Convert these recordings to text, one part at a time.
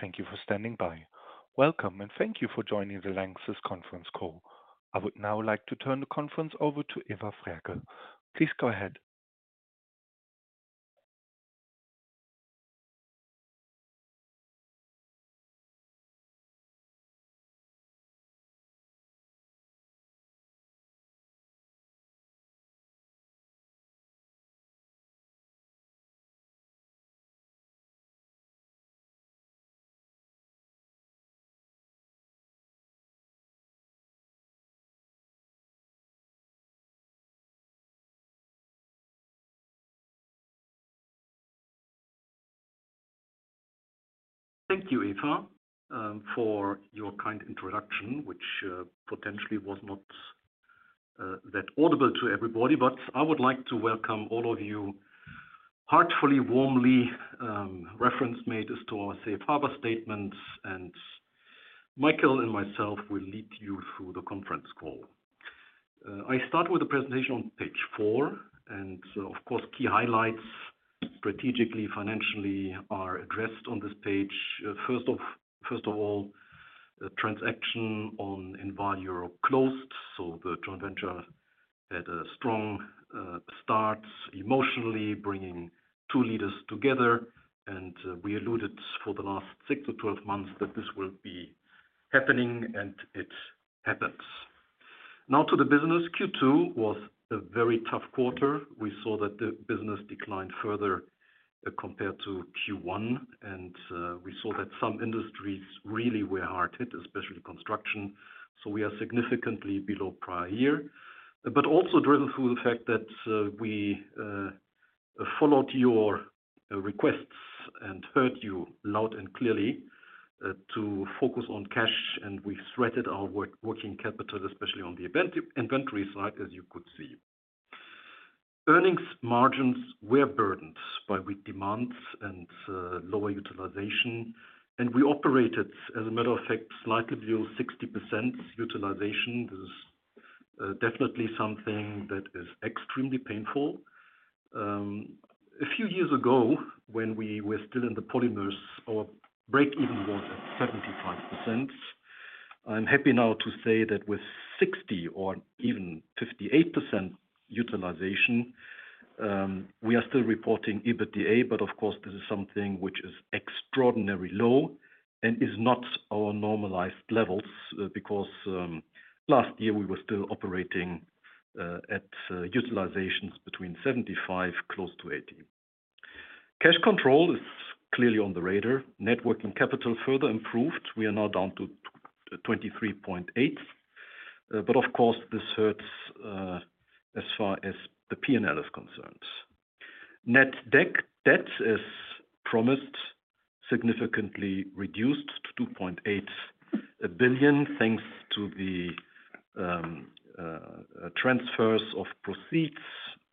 Thank you for standing by. Welcome, thank you for joining the LANXESS conference call. I would now like to turn the conference over to Eva Frerker. Please go ahead. Thank you, Eva, for your kind introduction, which potentially was not that audible to everybody. I would like to welcome all of you heartfully, warmly. Reference made as to our safe harbor statements, and Michael and myself will lead you through the conference call. I start with the presentation on page four, and of course, key highlights, strategically, financially, are addressed on this page. First of, first of all, the transaction on Envalior closed, so the joint venture had a strong start emotionally, bringing two leaders together, and we alluded for the last six-tweleve months that this will be happening, and it happens. Now to the business. Q2 was a very tough quarter. We saw that the business declined further compared to Q1, and we saw that some industries really were hard hit, especially construction. We are significantly below prior year, but also driven through the fact that we followed your requests and heard you loud and clearly to focus on cash, and we threaded our working capital, especially on the inventory side, as you could see. Earnings margins were burdened by weak demands and lower utilization, and we operated, as a matter of fact, slightly below 60% utilization. This is definitely something that is extremely painful. A few years ago, when we were still in the polymers, our break-even was at 75%. I'm happy now to say that with 60% or even 58% utilization, we are still reporting EBITDA. Of course, this is something which is extraordinarily low and is not our normalized levels, because last year we were still operating at utilizations between 75, close to 80. Cash control is clearly on the radar. Net working capital further improved. We are now down to 23.8. Of course, this hurts as far as the P&L is concerned. Net debt, as promised, significantly reduced to 2.8 billion, thanks to the transfers of proceeds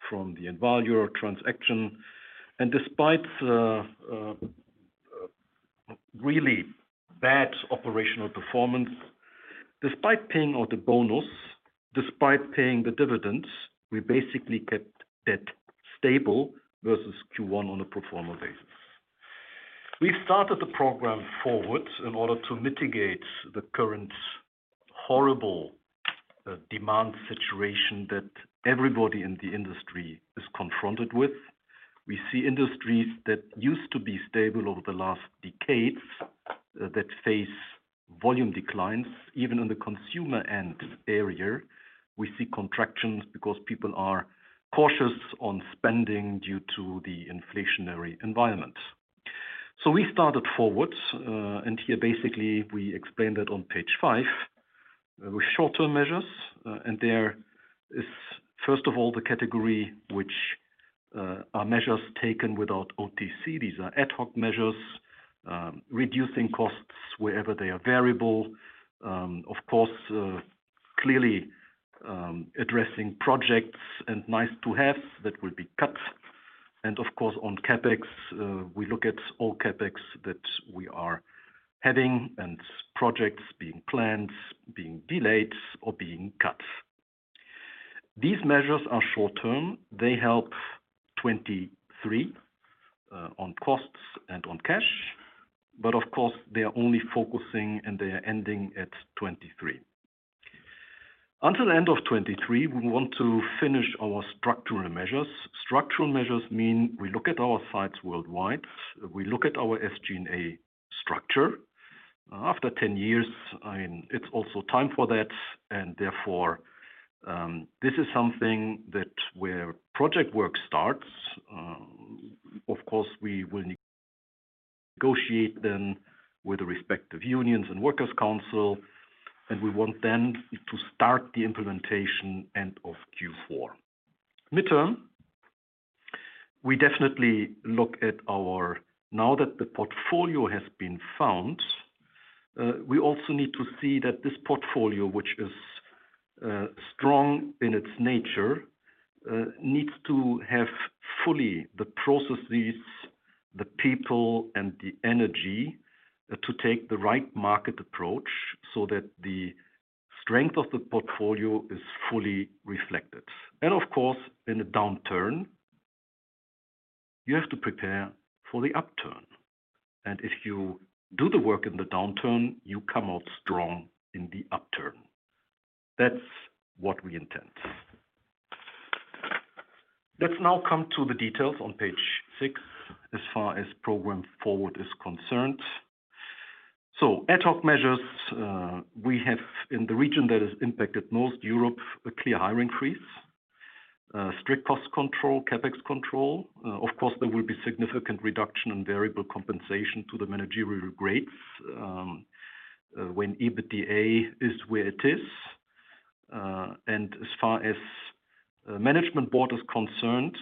from the Envalior transaction. Despite the really bad operational performance, despite paying out the bonus, despite paying the dividends, we basically kept debt stable versus Q1 on a pro forma basis. We started the program FORWARD! in order to mitigate the current horrible demand situation that everybody in the industry is confronted with. We see industries that used to be stable over the last decades, that face volume declines. Even on the consumer end area, we see contractions because people are cautious on spending due to the inflationary environment. We started FORWARD!, and here, basically, we explained it on page five, with short-term measures. There is, first of all, the category which are measures taken without OTC. These are ad hoc measures, reducing costs wherever they are variable. Of course, clearly, addressing projects and nice to have, that will be cut. Of course, on CapEx, we look at all CapEx that we are having and projects being planned, being delayed, or being cut. These measures are short term. They help 2023 on costs and on cash. Of course, they are only focusing, and they are ending at 2023. Until the end of 2023, we want to finish our structural measures. Structural measures mean we look at our sites worldwide, we look at our SG&A structure. After 10 years, I mean, it's also time for that. Therefore, this is something that where project work starts. Of course, we will negotiate then with the respective unions and workers council. We want then to start the implementation end of Q4. Midterm, we definitely look at our. Now that the portfolio has been found, we also need to see that this portfolio, which is strong in its nature, needs to have fully the processes, the people, and the energy to take the right market approach so that the. strength of the portfolio is fully reflected. Of course, in a downturn, you have to prepare for the upturn. If you do the work in the downturn, you come out strong in the upturn. That's what we intend. Let's now come to the details on page six, as far as Program FORWARD is concerned. Ad hoc measures, we have in the region that is impacted North Europe, a clear hire increase, strict cost control, CapEx control. Of course, there will be significant reduction in variable compensation to the managerial grades, when EBITDA is where it is. As far as management board is concerned,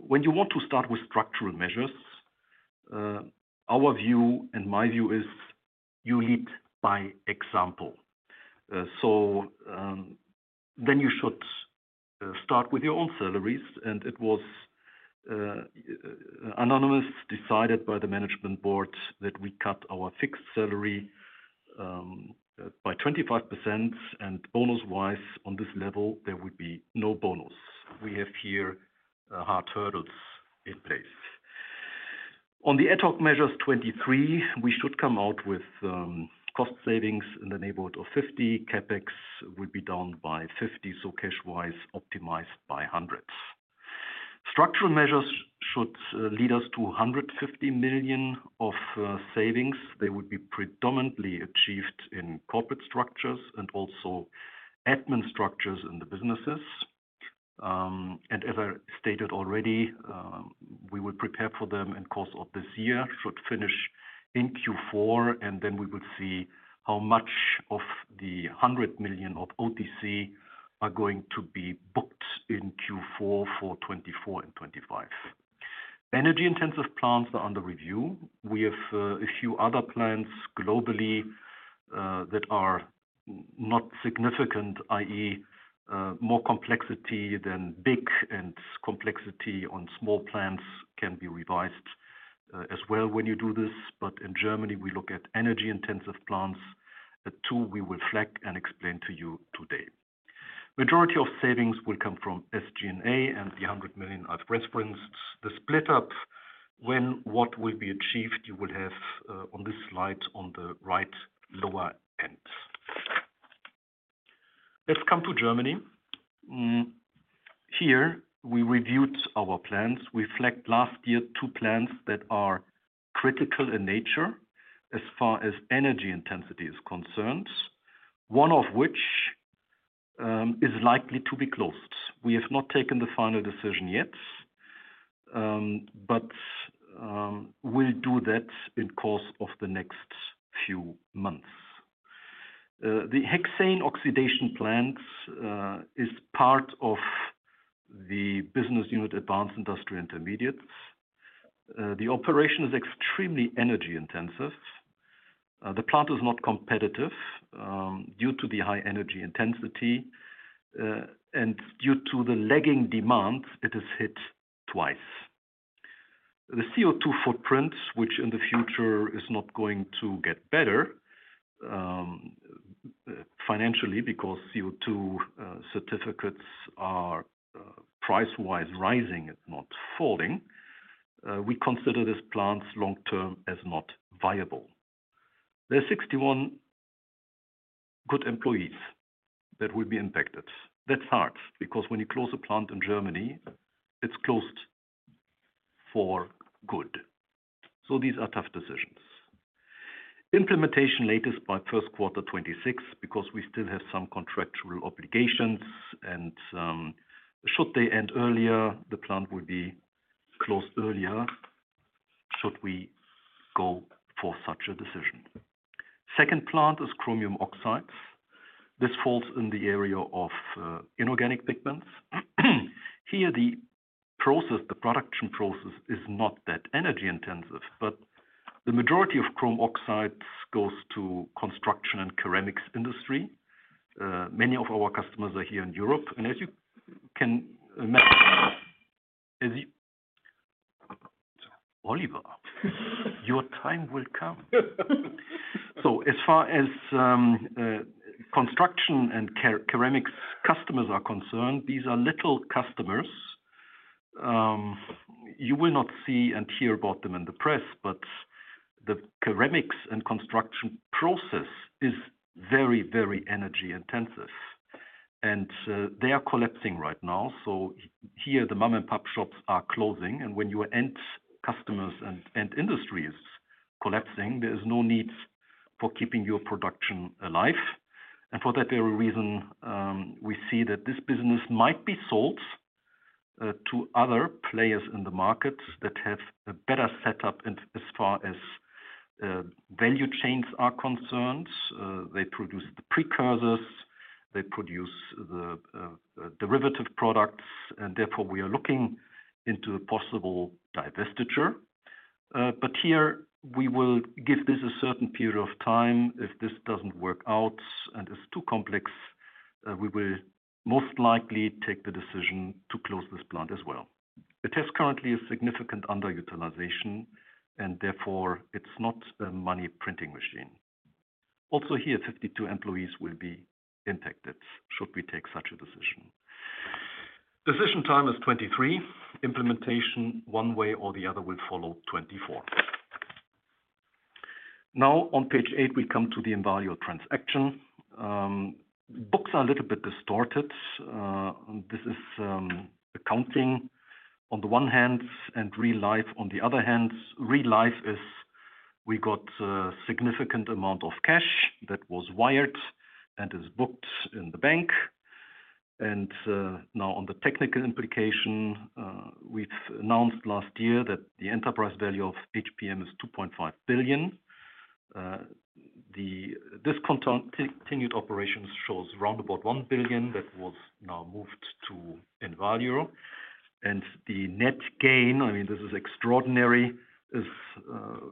when you want to start with structural measures, our view and my view is you lead by example. You should start with your own salaries, and it was anonymous, decided by the management board that we cut our fixed salary by 25%, and bonus-wise, on this level, there would be no bonus. We have here hard hurdles in place. On the ad hoc measures 2023, we should come out with cost savings in the neighborhood of 50. CapEx would be down by 50, so cash-wise, optimized by EUR hundreds. Structural measures should lead us to 150 million of savings. They would be predominantly achieved in corporate structures and also admin structures in the businesses. As I stated already, we will prepare for them in course of this year, should finish in Q4, and then we would see how much of the 100 million of OTC are going to be booked in Q4 for 2024 and 2025. Energy-intensive plants are under review. We have a few other plants globally, that are not significant, i.e., more complexity than big and complexity on small plants can be revised as well when you do this. But in Germany, we look at energy-intensive plants. The two we will flag and explain to you today. Majority of savings will come from SG&A and the 100 million FORWARD!. The split up, when what will be achieved, you would have on this slide on the right lower end. Let's come to Germany. Here we reviewed our plans. We flagged last year two plants that are critical in nature as far as energy intensity is concerned, one of which is likely to be closed. We have not taken the final decision yet, but we'll do that in course of the next few months. The cyclohexane oxidation plants is part of the business unit, Advanced Intermediates. The operation is extremely energy-intensive. The plant is not competitive, due to the high energy intensity, and due to the lagging demand, it is hit twice. The CO2 footprints, which in the future is not going to get better, financially, because CO2 certificates are price-wise, rising and not falling. We consider this plant long-term as not viable. There are 61 good employees that will be impacted. That's hard, because when you close a plant in Germany, it's closed for good. These are tough decisions. Implementation latest by first quarter 2026, because we still have some contractual obligations, and should they end earlier, the plant will be closed earlier, should we go for such a decision. Second plant is chromium oxides. This falls in the area of inorganic pigments. Here, the process, the production process is not that energy-intensive, but the majority of chrome oxides goes to construction and ceramics industry. Many of our customers are here in Europe, and as you can- Oliver, your time will come. As far as construction and ceramics customers are concerned, these are little customers. You will not see and hear about them in the press, the ceramics and construction process is very, very energy-intensive, they are collapsing right now. Here, the mom-and-pop shops are closing, and when your end customers and end industry is collapsing, there is no need for keeping your production alive. For that very reason, we see that this business might be sold to other players in the market that have a better setup in as far as value chains are concerned. They produce the precursors, they produce the derivative products, therefore, we are looking into a possible divestiture. Here we will give this a certain period of time. If this doesn't work out and is too complex... we will most likely take the decision to close this plant as well. It has currently a significant underutilization, and therefore it's not a money-printing machine. Also here, 52 employees will be impacted, should we take such a decision. Decision time is 2023, implementation, one way or the other, will follow 2024. Now on page eigth, we come to the Envalior transaction. Books are a little bit distorted. This is accounting on the one hand, and real life on the other hand. Real life is, we got a significant amount of cash that was wired and is booked in the bank. Now on the technical implication, we've announced last year that the enterprise value of HPM is 2.5 billion. The discontinued operations shows round about 1 billion, that was now moved to Envalior. The net gain, I mean, this is extraordinary, is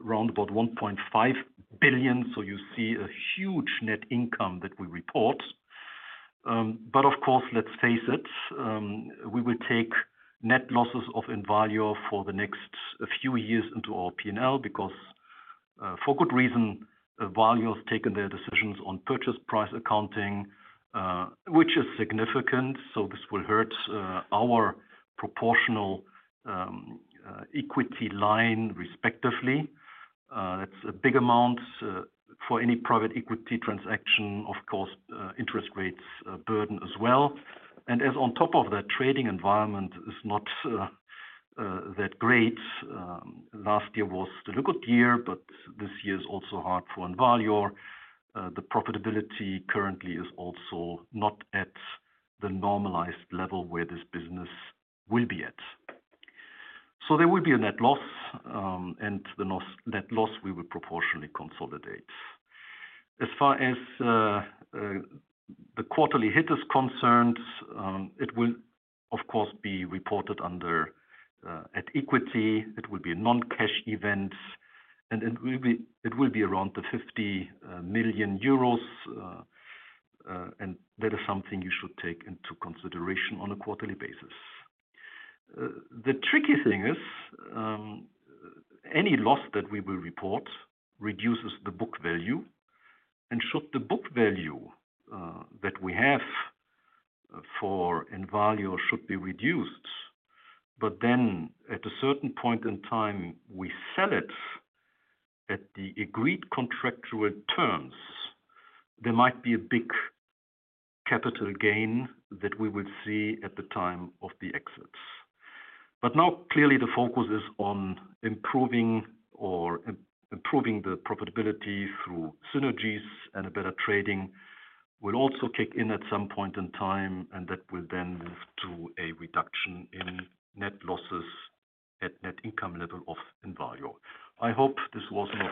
round about 1.5 billion. You see a huge net income that we report. But of course, let's face it, we will take net losses of Envalior for the next few years into our P&L, because for good reason, Envalior has taken their decisions on purchase price accounting, which is significant, so this will hurt our proportional equity line, respectively. That's a big amount for any private equity transaction, of course, interest rates are a burden as well. And as on top of that, trading environment is not that great. Last year was the good year, but this year is also hard for Envalior. The profitability currently is also not at the normalized level where this business will be at. So there will be a net loss, and the loss-- net loss, we will proportionally consolidate. As far as the quarterly hit is concerned, it will, of course, be reported under at equity. It will be a non-cash event, and it will be, it will be around 50 million euros, and that is something you should take into consideration on a quarterly basis. The tricky thing is, any loss that we will report reduces the book value, and should the book value that we have for Envalior should be reduced, but then at a certain point in time, we sell it at the agreed contractual terms, there might be a big capital gain that we will see at the time of the exit. Now, clearly, the focus is on improving or improving the profitability through synergies and a better trading, will also kick in at some point in time, and that will then move to a reduction in net losses at net income level of Envalior. I hope this was not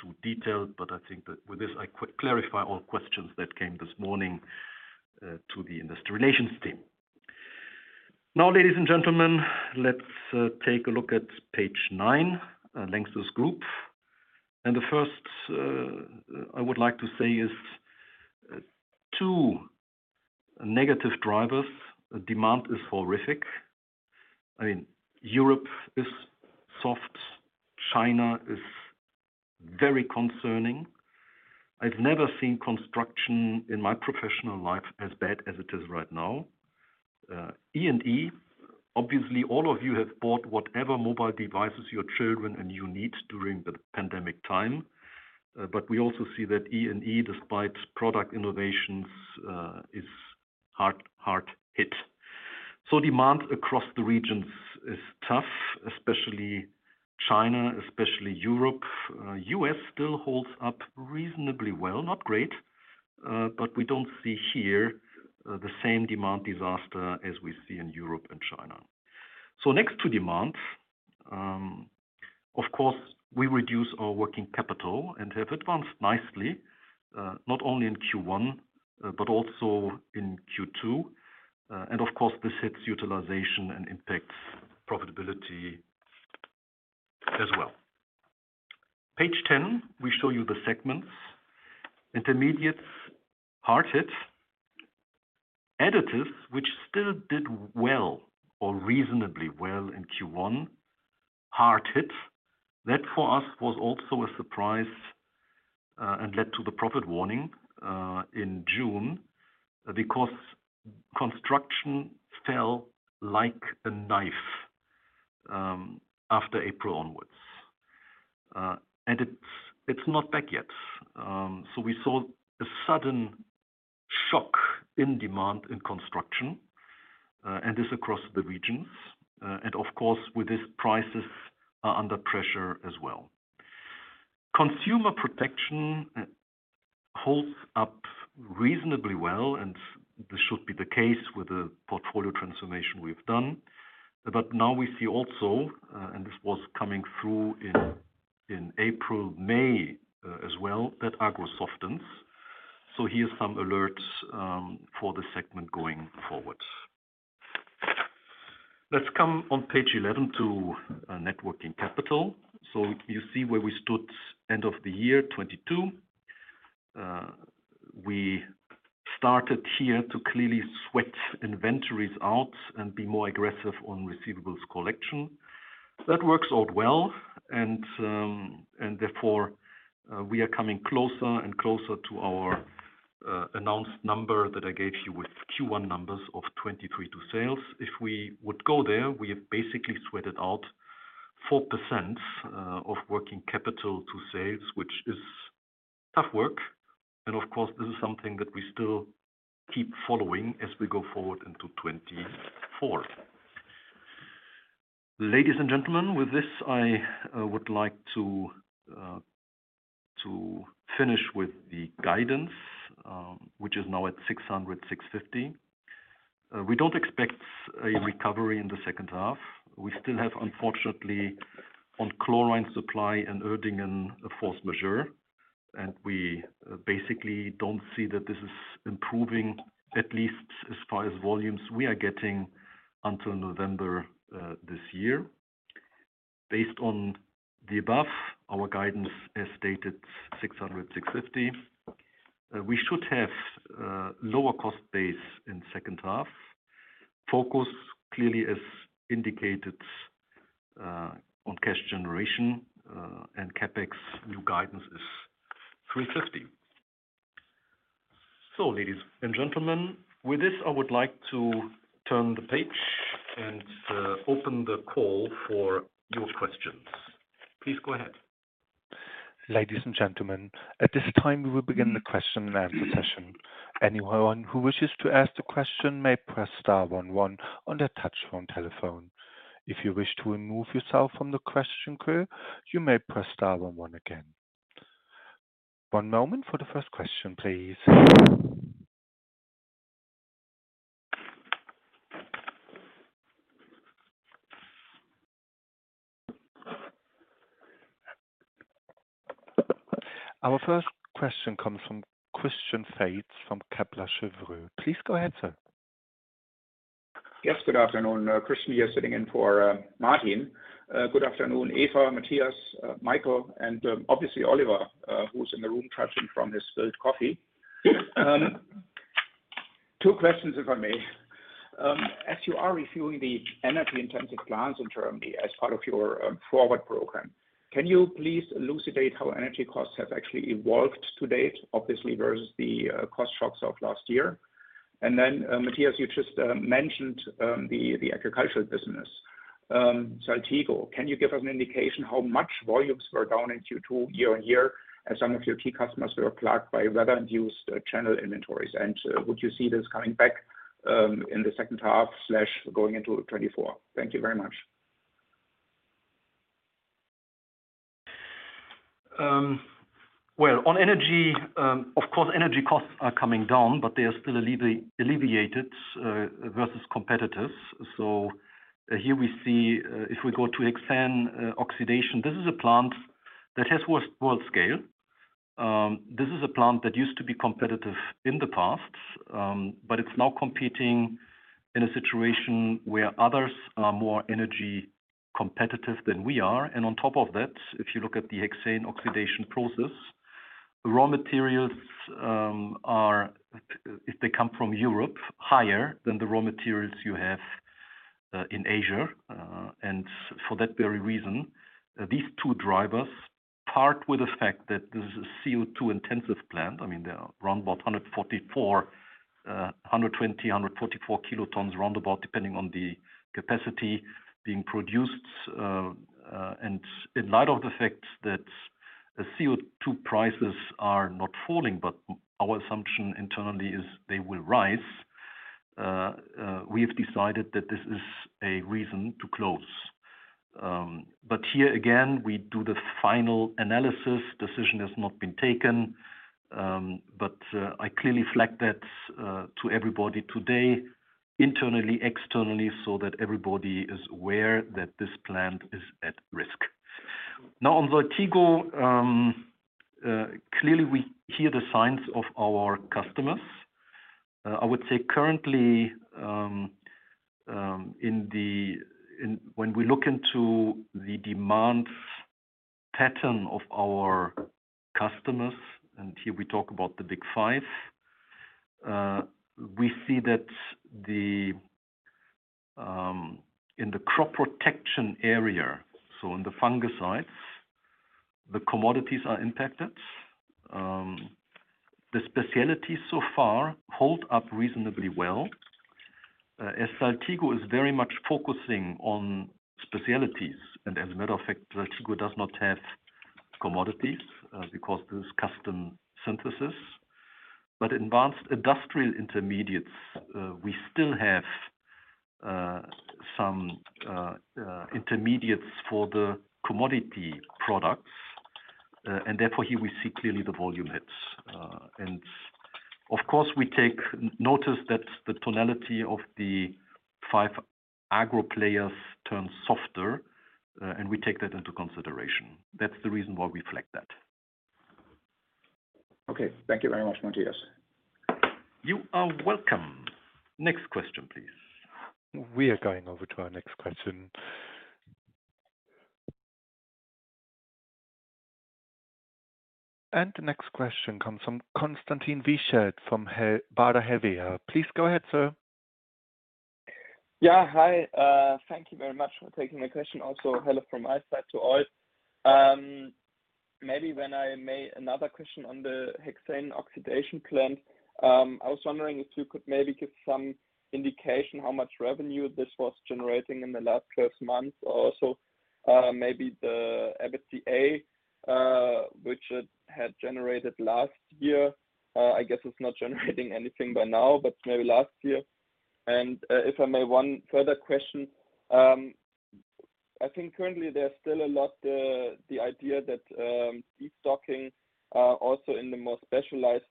too detailed, but I think that with this, I could clarify all questions that came this morning to the Investor Relations team. Now, ladies and gentlemen, let's take a look at page nine, LANXESS Group. The first I would like to say is 2 negative drivers. Demand is horrific. I mean, Europe is soft. China is very concerning. I've never seen construction in my professional life as bad as it is right now. E&E, obviously, all of you have bought whatever mobile devices your children and you need during the pandemic time. We also see that E&E, despite product innovations, is hard, hard hit. Demand across the regions is tough, especially China, especially Europe. U.S. still holds up reasonably well, not great, but we don't see here the same demand disaster as we see in Europe and China. Next to demand, of course, we reduce our working capital and have advanced nicely, not only in Q1, but also in Q2. Of course, this hits utilization and impacts profitability as well. Page 10, we show you the segments. Intermediates, hard hit. Additives, which still did well or reasonably well in Q1, hard hit. That, for us, was also a surprise, and led to the profit warning in June, because construction fell like a knife after April onwards. It's, it's not back yet. We saw a sudden shock in demand in construction, and this across the regions. Of course, with this, prices are under pressure as well. Consumer Protection holds up reasonably well, and this should be the case with the portfolio transformation we've done. Now we see also, and this was coming through in April, May, as well, that agro softens. Here's some alerts. Let's come on page 11 to net working capital. You see where we stood end of the year, 2022. We started here to clearly sweat inventories out and be more aggressive on receivables collection. That works out well, and therefore, we are coming closer and closer to our announced number that I gave you with Q1 numbers of 2023 to sales. If we would go there, we have basically sweated out 4% of working capital to sales, which is tough work. Of course, this is something that we still keep following as we go forward into 2024. Ladies and gentlemen, with this, I would like to finish with the guidance, which is now at 600-650. We don't expect a recovery in the second half. We still have, unfortunately, on chlorine supply and Erdingen, a force majeure, we basically don't see that this is improving, at least as far as volumes we are getting until November this year. Based on the above, our guidance is stated 600-650. We should have lower cost base in second half. Focus clearly is indicated on cash generation, and CapEx, new guidance is 350. Ladies and Gentlemen, with this, I would like to turn the page and open the call for your questions. Please go ahead. Ladies and gentlemen, at this time, we will begin the question and answer session. Anyone who wishes to ask the question may press star one one on their touch-tone telephone. If you wish to remove yourself from the question queue, you may press star one one again. One moment for the first question, please. Our first question comes from Christian Faitz from Kepler Cheuvreux. Please go ahead, sir. Yes, good afternoon. Christian here sitting in for Martin. Good afternoon, Eva, Matthias, Michael, and obviously, Oliver, who's in the room trudging from his spilled coffee. Two questions, if I may. As you are reviewing the energy-intensive plans in Germany as part of your FORWARD! program, can you please elucidate how energy costs have actually evolved to date, obviously, versus the cost shocks of last year? Matthias, you just mentioned the agricultural business, Saltigo. Can you give us an indication how much volumes were down in Q2 year-over-year, as some of your key customers were plagued by weather-induced channel inventories? Would you see this coming back in the second half/going into 2024? Thank you very much. On energy, of course, energy costs are coming down, but they are still alleviated versus competitors. Here we see, if we go to cyclohexane oxidation, this is a plant that has worst world scale. This is a plant that used to be competitive in the past, but it's now competing in a situation where others are more energy competitive than we are. On top of that, if you look at the cyclohexane oxidation process, the raw materials, if they come from Europe, higher than the raw materials you have in Asia. For that very reason, these two drivers, part with the fact that this is a CO2-intensive plant. I mean, they are around about 144, 120-144 kilotons, roundabout, depending on the capacity being produced. In light of the fact that the CO2 prices are not falling, but our assumption internally is they will rise, we have decided that this is a reason to close. But here again, we do the final analysis. Decision has not been taken, but I clearly flag that to everybody today, internally, externally, so that everybody is aware that this plant is at risk. Now, on Saltigo, clearly, we hear the signs of our customers. I would say currently, when we look into the demand pattern of our customers, and here we talk about the Big Five, we see that the in the crop protection area, so in the fungicides, the commodities are impacted. The specialties so far hold up reasonably well. As Saltigo is very much focusing on specialties, and as a matter of fact, Saltigo does not have commodities, because this is custom synthesis. Advanced Industrial Intermediates, we still have some intermediates for the commodity products, and therefore, here we see clearly the volume hits. Of course, we take notice that the tonality of the five agro players turns softer, and we take that into consideration. That's the reason why we flag that. Okay, thank you very much, Matthias. You are welcome! Next question, please. We are going over to our next question. The next question comes from Konstantin Wiechert from Baader Helvea. Please go ahead, sir. Yeah. Hi, thank you very much for taking my question. Also, hello from my side to all. Maybe when I may another question on the hexane oxidation plant, I was wondering if you could maybe give some indication how much revenue this was generating in the last 12 months, or also, maybe the EBITDA, which it had generated last year. I guess it's not generating anything by now, but maybe last year. If I may, 1 further question. I think currently there's still a lot, the idea that, destocking, also in the more specialized,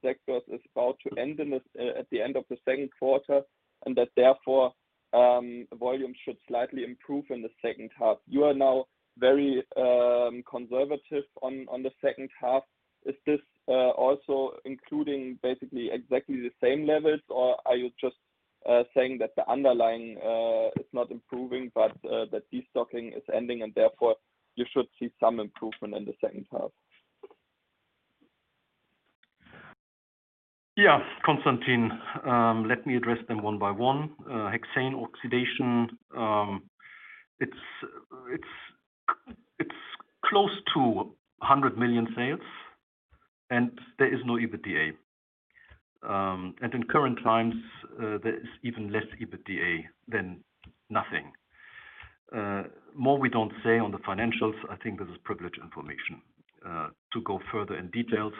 sectors, is about to end in this, at the end of the second quarter, and that therefore, volume should slightly improve in the second half. You are now very, conservative on the second half. Is this also including basically exactly the same levels, or are you just saying that the underlying is not improving, but the destocking is ending, and therefore you should see some improvement in the second half? Constantine, let me address them one by one. hexane oxidation, it's, it's, it's close to 100 million sales, there is no EBITDA. In current times, there is even less EBITDA than nothing. More we don't say on the financials. I think this is privileged information, to go further in details.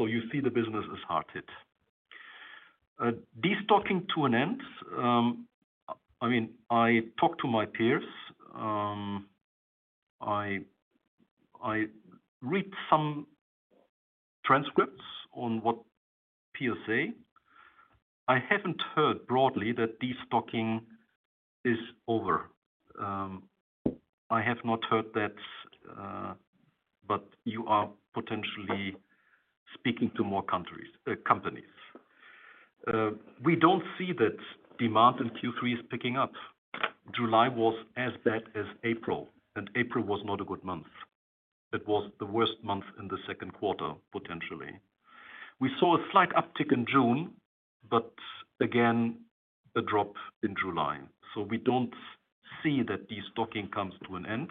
You see the business is hard hit. Destocking to an end, I mean, I talk to my peers. I, I read some transcripts on what peers say. I haven't heard broadly that destocking is over. I have not heard that, you are potentially speaking to more countries, companies. We don't see that demand in Q3 is picking up. July was as bad as April, April was not a good month. It was the worst month in the second quarter, potentially. We saw a slight uptick in June, but again, a drop in July. We don't see that destocking comes to an end,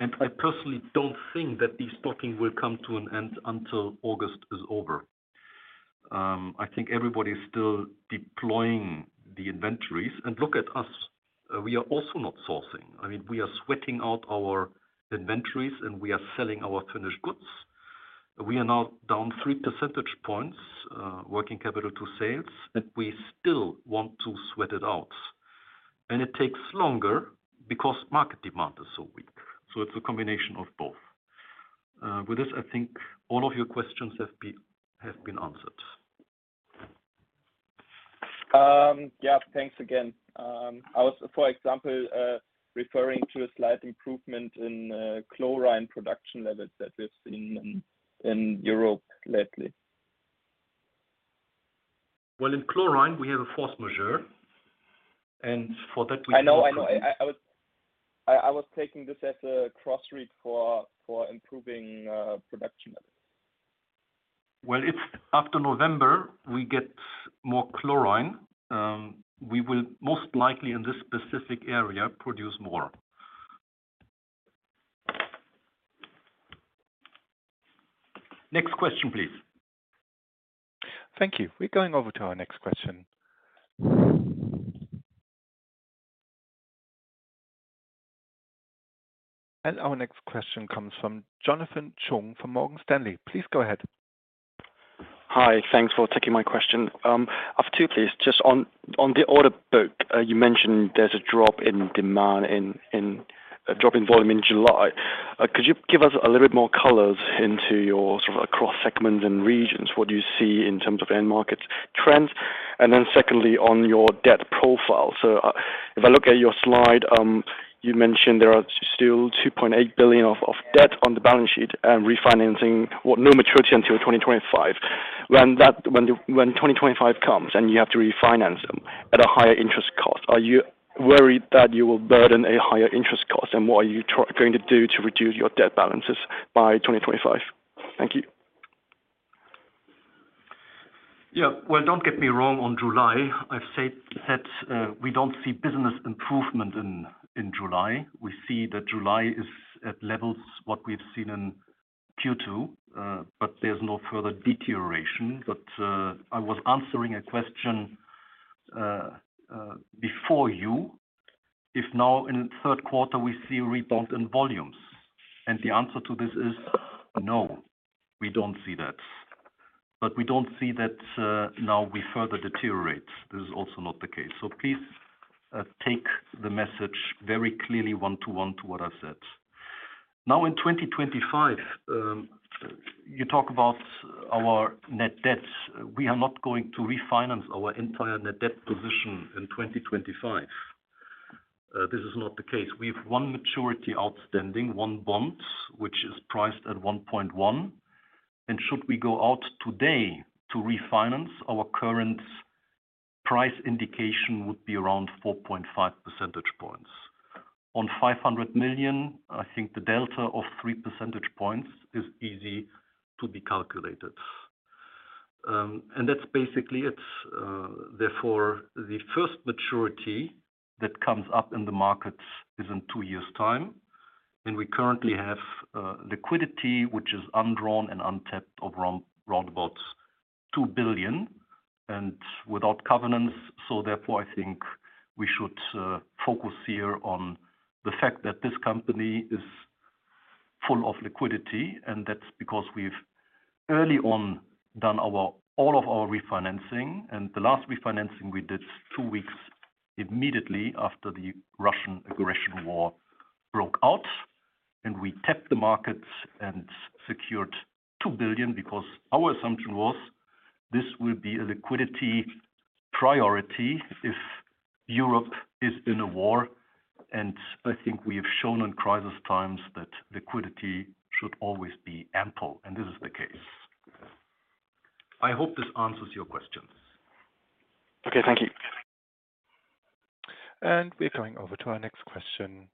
and I personally don't think that destocking will come to an end until August is over. I think everybody is still deploying the inventories. And look at us, we are also not sourcing. I mean, we are sweating out our inventories, and we are selling our finished goods. We are now down three percentage points, working capital to sales, and we still want to sweat it out. And it takes longer because market demand is so weak. It's a combination of both. With this, I think all of your questions have been, have been answered. Yeah. Thanks again. I was, for example, referring to a slight improvement in chlorine production levels that we've seen in Europe lately. Well, in chlorine, we have a force majeure, and for that we- I know, I know. I, I was, I, I was taking this as a cross read for, for improving, production levels. Well, it's after November, we get more chlorine. We will most likely, in this specific area, produce more. Next question, please. Thank you. We're going over to our next question. Our next question comes from Jonathan Chung, from Morgan Stanley. Please go ahead. Hi, thanks for taking my question. I have two, please. Just on the order book, you mentioned there's a drop in demand in a drop in volume in July. Could you give us a little bit more colors into your, sort of, across segments and regions? What do you see in terms of end markets trends? Then secondly, on your debt profile. If I look at your slide, you mentioned there are still 2.8 billion of debt on the balance sheet and refinancing, well, no maturity until 2025. When 2025 comes and you have to refinance them at a higher interest cost, are you worried that you will burden a higher interest cost? What are you going to do to reduce your debt balances by 2025? Thank you. Yeah. Well, don't get me wrong, on July, I've said that we don't see business improvement in, in July. We see that July is at levels, what we've seen in Q2, but there's no further deterioration. I was answering a question before you, if now in the third quarter, we see a rebound in volumes. The answer to this is: no, we don't see that. We don't see that now we further deteriorate. This is also not the case. Please take the message very clearly, one to one, to what I said. Now, in 2025, you talk about our net debts. We are not going to refinance our entire net debt position in 2025. This is not the case. We have one maturity outstanding, one bond, which is priced at 1.1, and should we go out today to refinance, our current price indication would be around 4.5 percentage points. On 500 million, I think the delta of three percentage points is easy to be calculated. That's basically it. Therefore, the first maturity that comes up in the market is in two years' time, and we currently have liquidity, which is undrawn and untapped of around round about 2 billion and without covenants. Therefore, I think we should focus here on the fact that this company is full of liquidity, and that's because we've early on done our, all of our refinancing. The last refinancing we did two weeks, immediately after the Russian aggression war broke out, we tapped the markets and secured 2 billion because our assumption was this will be a liquidity priority if Europe is in a war. I think we have shown in crisis times that liquidity should always be ample, and this is the case. I hope this answers your questions. Okay, thank you. We're going over to our next question.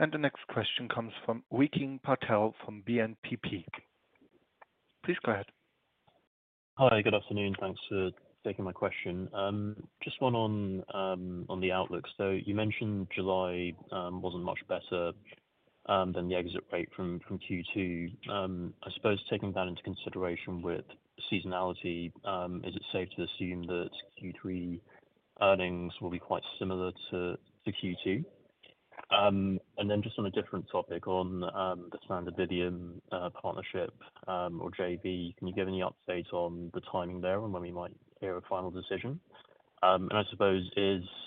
The next question comes from Rikin Patel from BNP Paribas. Please go ahead. Hi, good afternoon. Thanks for taking my question. Just one on on the outlook. You mentioned July wasn't much better than the exit rate from from Q2. I suppose taking that into consideration with seasonality, is it safe to assume that Q3 earnings will be quite similar to to Q2? Then just on a different topic, on the Standard Lithium partnership or JV, can you give any update on the timing there and when we might hear a final decision? I suppose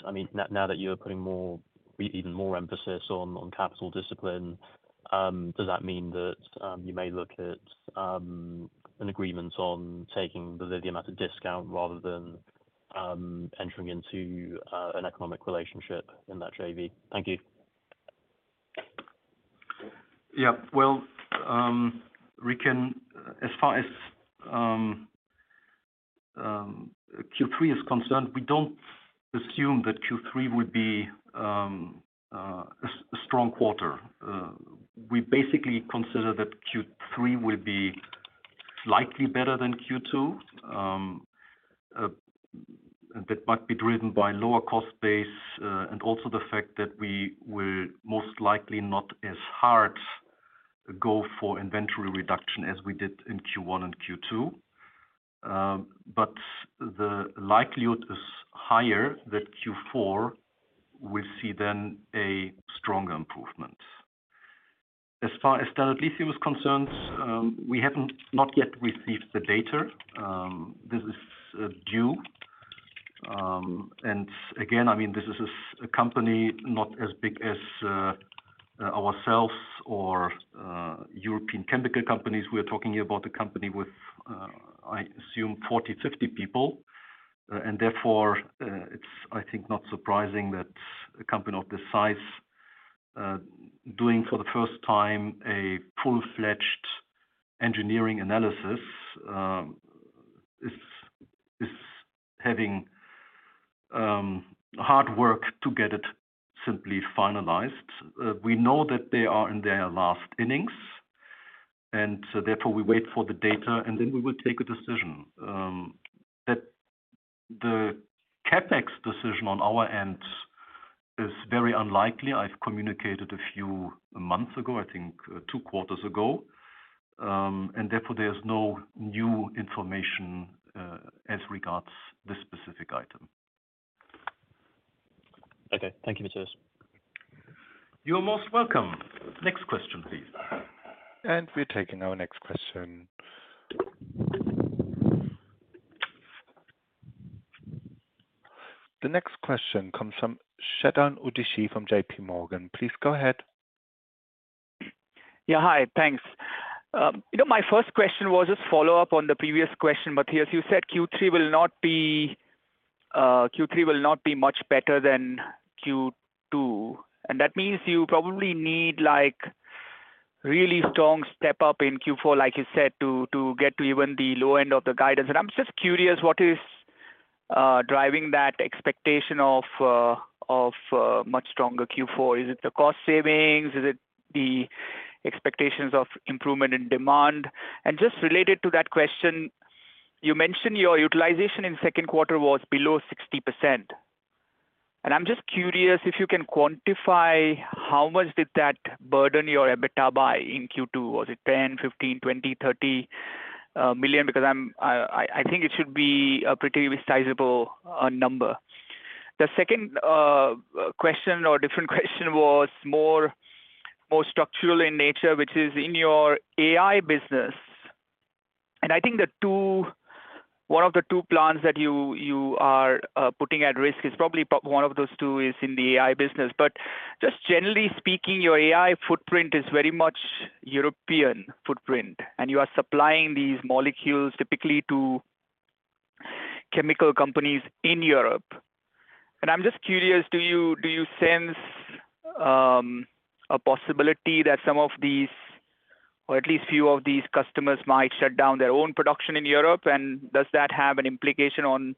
I mean, now, now that you are putting more, even more emphasis on on capital discipline, does that mean that you may look at an agreement on taking the lithium at a discount rather than entering into an economic relationship in that JV? Thank you. Yeah, well, Rikin, as far as Q3 is concerned, we don't assume that Q3 would be a strong quarter. We basically consider that Q3 will be slightly better than Q2. That might be driven by lower cost base, and also the fact that we will most likely not as hard go for inventory reduction as we did in Q1 and Q2. The likelihood is higher that Q4 will see then a stronger improvement. As far as Standard Lithium is concerned, we haven't not yet received the data. This is due. Again, I mean, this is a company not as big as ourselves or European chemical companies. We're talking about a company with, I assume 40, 50 people, and therefore, it's, I think, not surprising that a company of this size, doing for the first time a full-fledged engineering analysis, is, is having, hard work to get it simply finalized. We know that they are in their last innings, and so therefore, we wait for the data, and then we will take a decision. That the CapEx decision on our end is very unlikely. I've communicated a few months ago, I think two quarters ago, and therefore, there's no new information, as regards this specific item. Okay. Thank you, Matthias. You're most welcome. Next question, please. We're taking our next question. The next question comes from Chetan Udeshi from JPMorgan. Please go ahead. Yeah, hi. Thanks. You know, my first question was just follow up on the previous question, Matthias, you said Q3 will not be, Q3 will not be much better than Q2, and that means you probably need, like, really strong step up in Q4, like you said, to, to get to even the low end of the guidance. And I'm just curious, what is driving that expectation of much stronger Q4? Is it the cost savings? Is it the expectations of improvement in demand? And just related to that question, you mentioned your utilization in second quarter was below 60%, and I'm just curious if you can quantify how much did that burden your EBITDA by in Q2. Was it 10 million, 15 million, 20 million, 30 million? Because I'm, I, I think it should be a pretty sizable number. The second question or different question was more, more structural in nature, which is in your AI business. I think the two-- one of the two plans that you, you are putting at risk is probably one of those two is in the AI business. Just generally speaking, your AI footprint is very much European footprint, and you are supplying these molecules typically to-... chemical companies in Europe. I'm just curious, do you, do you sense a possibility that some of these, or at least few of these customers might shut down their own production in Europe? Does that have an implication on,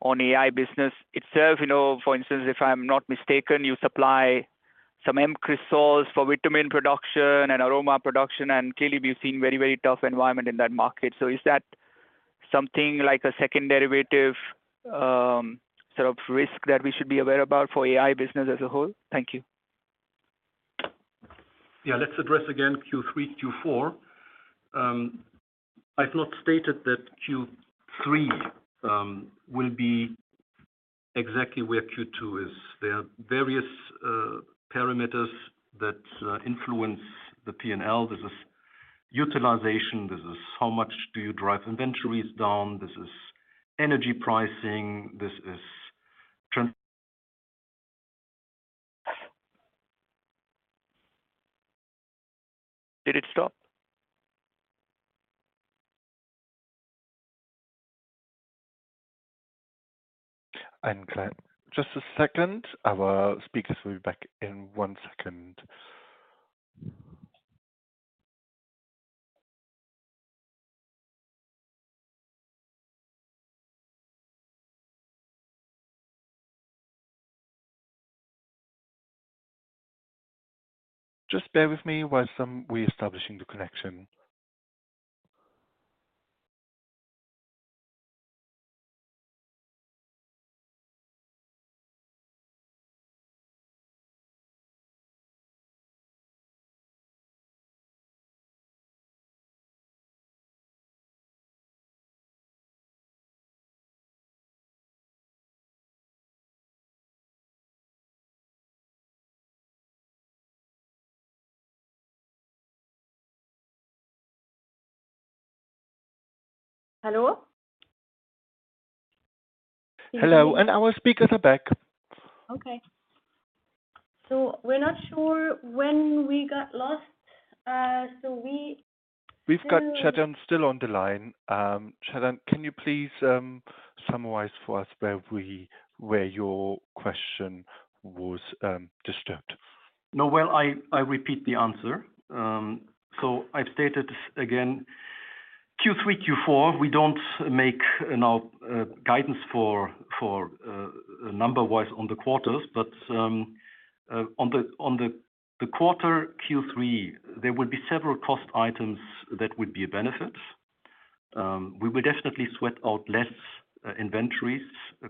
on AI business itself? You know, for instance, if I'm not mistaken, you supply some menthol for vitamin production and aroma production, and clearly, we've seen very, very tough environment in that market. Is that something like a second derivative, sort of risk that we should be aware about for AI business as a whole? Thank you. Yeah. Let's address again Q3, Q4. I've not stated that Q3 will be exactly where Q2 is. There are various parameters that influence the P&L. This is utilization, this is how much do you drive inventories down, this is energy pricing. Did it stop? Just a second. Our speakers will be back in one second. Just bear with me while we're establishing the connection. Hello? Hello, and our speakers are back. Okay. We're not sure when we got lost. We've got Chetan still on the line. Chetan, can you please summarize for us where your question was disturbed? No, well, I, I repeat the answer. I've stated again, Q3, Q4, we don't make enough guidance for, for number wise on the quarters, but on the, on the, the quarter Q3, there will be several cost items that would be a benefit. We will definitely sweat out less inventories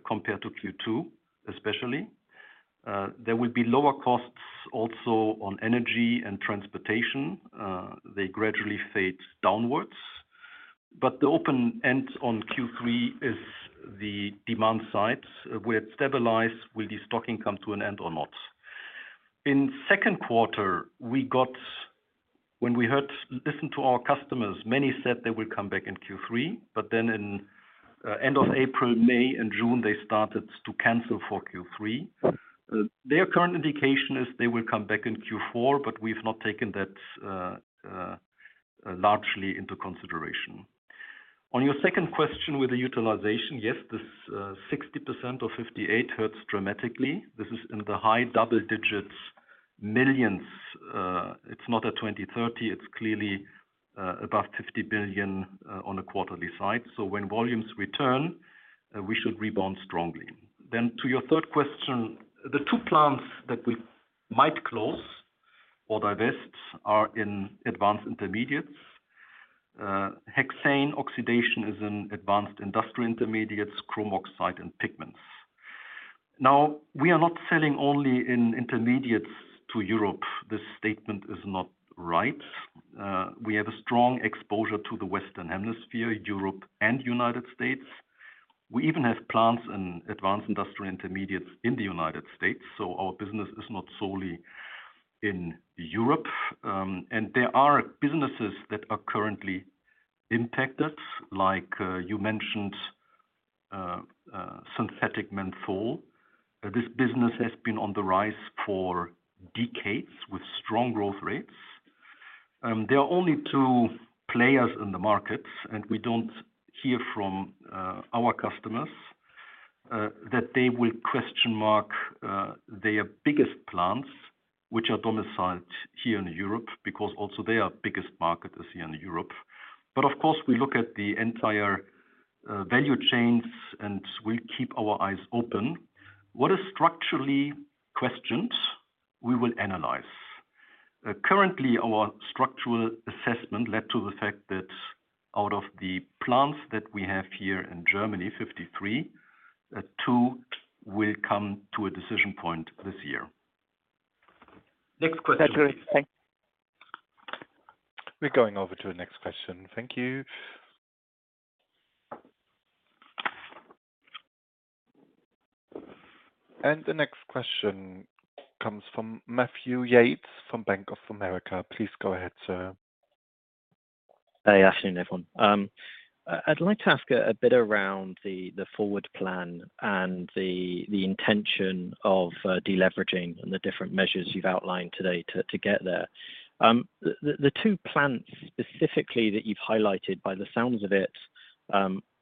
compared to Q2, especially. There will be lower costs also on energy and transportation. They gradually fade downwards. The open end on Q3 is the demand side, will it stabilize? Will the stocking come to an end or not? In second quarter, we got... When we heard, listened to our customers, many said they will come back in Q3, but then in end of April, May, and June, they started to cancel for Q3. Their current indication is they will come back in Q4, we've not taken that largely into consideration. On your second question, with the utilization, yes, this 60% or 58 hurts dramatically. This is in the high double digits, millions. It's not a 20/30, it's clearly above 50 billion on a quarterly side. When volumes return, we should rebound strongly. To your third question, the two plants that we might close or divest are in Advanced Intermediates. Hexane oxidation is an Advanced Industrial Intermediates, chrome oxide, and pigments. We are not selling only in intermediates to Europe. This statement is not right. We have a strong exposure to the Western Hemisphere, Europe, and United States. We even have plants in Advanced Industrial Intermediates in the United States, so our business is not solely in Europe. There are businesses that are currently impacted, like, you mentioned, Synthetic menthol. This business has been on the rise for decades with strong growth rates. There are only two players in the market, and we don't hear from our customers that they will question mark, their biggest plants, which are domiciled here in Europe, because also their biggest market is here in Europe. Of course, we look at the entire value chains, and we keep our eyes open. What is structurally questioned, we will analyze. Currently, our structural assessment led to the fact that out of the plants that we have here in Germany, 53, two will come to a decision point this year. Next question. Thank- We're going over to the next question. Thank you. The next question comes from Matthew Yates from Bank of America. Please go ahead, sir. Hey, afternoon, everyone. I'd like to ask a bit around the FORWARD! plan and the intention of deleveraging and the different measures you've outlined today to get there. The two plants specifically that you've highlighted, by the sounds of it,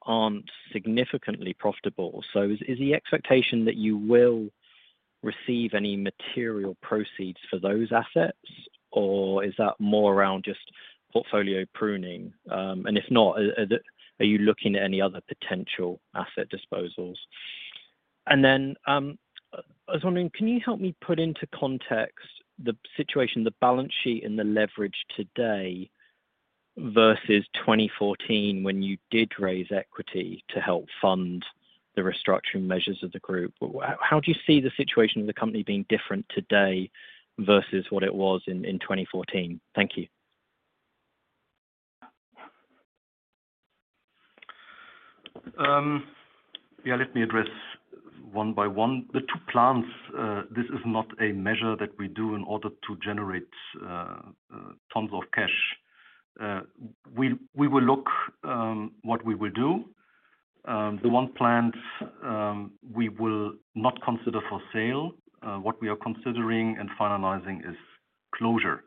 aren't significantly profitable. So is the expectation that you will receive any material proceeds for those assets, or is that more around just portfolio pruning? If not, are you looking at any other potential asset disposals? I was wondering, can you help me put into context the situation, the balance sheet and the leverage today versus 2014 when you did raise equity to help fund the restructuring measures of the group? How do you see the situation of the company being different today versus what it was in 2014? Thank you. Yeah, let me address one by one. The two plants, this is not a measure that we do in order to generate tons of cash. We will look what we will do. The one plant, we will not consider for sale. What we are considering and finalizing is closure.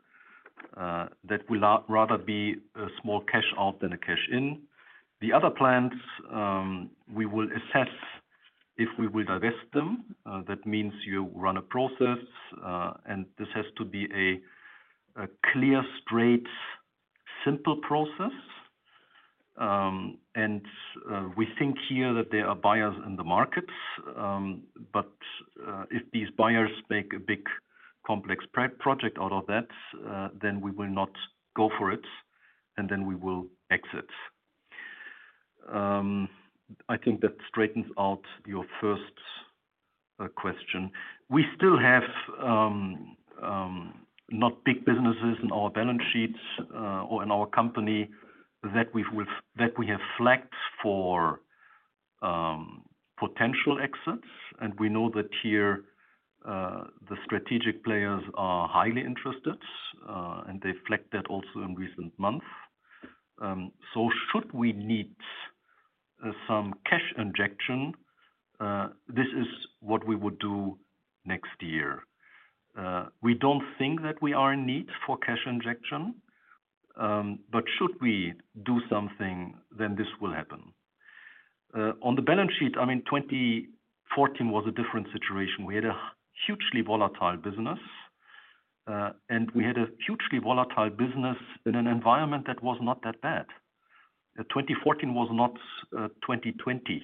That will rather be a small cash out than a cash in. The other plans, we will assess if we will divest them. That means you run a process, and this has to be a clear, straight, simple process. We think here that there are buyers in the markets, if these buyers make a big complex project out of that, then we will not go for it, and then we will exit. I think that straightens out your first question. We still have not big businesses in our balance sheets or in our company, that we've, that we have flagged for potential exits, and we know that here the strategic players are highly interested, and they reflect that also in recent months. Should we need some cash injection, this is what we would do next year. We don't think that we are in need for cash injection, should we do something, then this will happen. On the balance sheet, I mean, 2014 was a different situation. We had a hugely volatile business, and we had a hugely volatile business in an environment that was not that bad. 2014 was not 2020.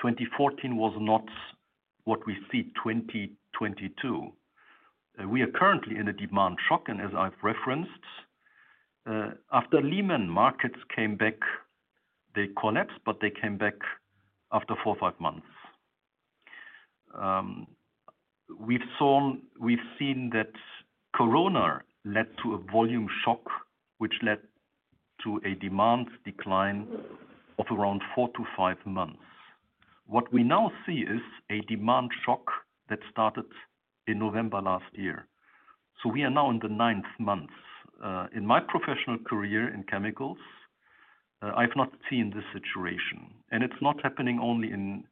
2014 was not what we see 2022. We are currently in a demand shock. As I've referenced, after Lehman, markets came back, they collapsed, but they came back after four, five months. We've seen that Corona led to a volume shock, which led to a demand decline of around four to five months. What we now see is a demand shock that started in November 2022. We are now in the ninth month. In my professional career in chemicals, I've not seen this situation, and it's not happening only in,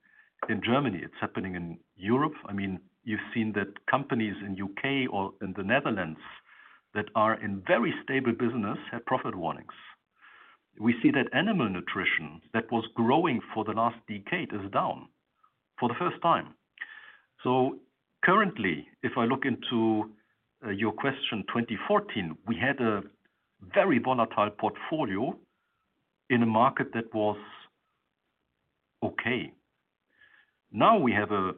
in Germany, it's happening in Europe. I mean, you've seen that companies in U.K. or in the Netherlands that are in very stable business have profit warnings. We see that animal nutrition that was growing for the last decade is down for the first time. Currently, if I look into your question, 2014, we had a very volatile portfolio in a market that was okay. We have a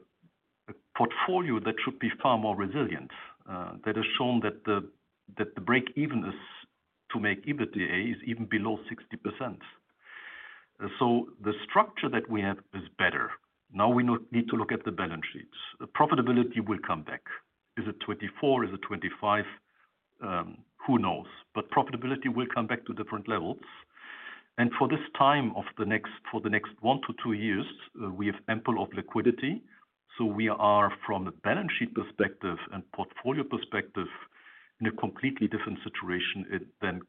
portfolio that should be far more resilient, that has shown that the break even is to make EBITDA is even below 60%. The structure that we have is better. We need to look at the balance sheets. The profitability will come back. Is it 2024? Is it 2025? Who knows? Profitability will come back to different levels. For this time of the next one to two years, we have ample of liquidity, we are, from a balance sheet perspective and portfolio perspective, in a completely different situation than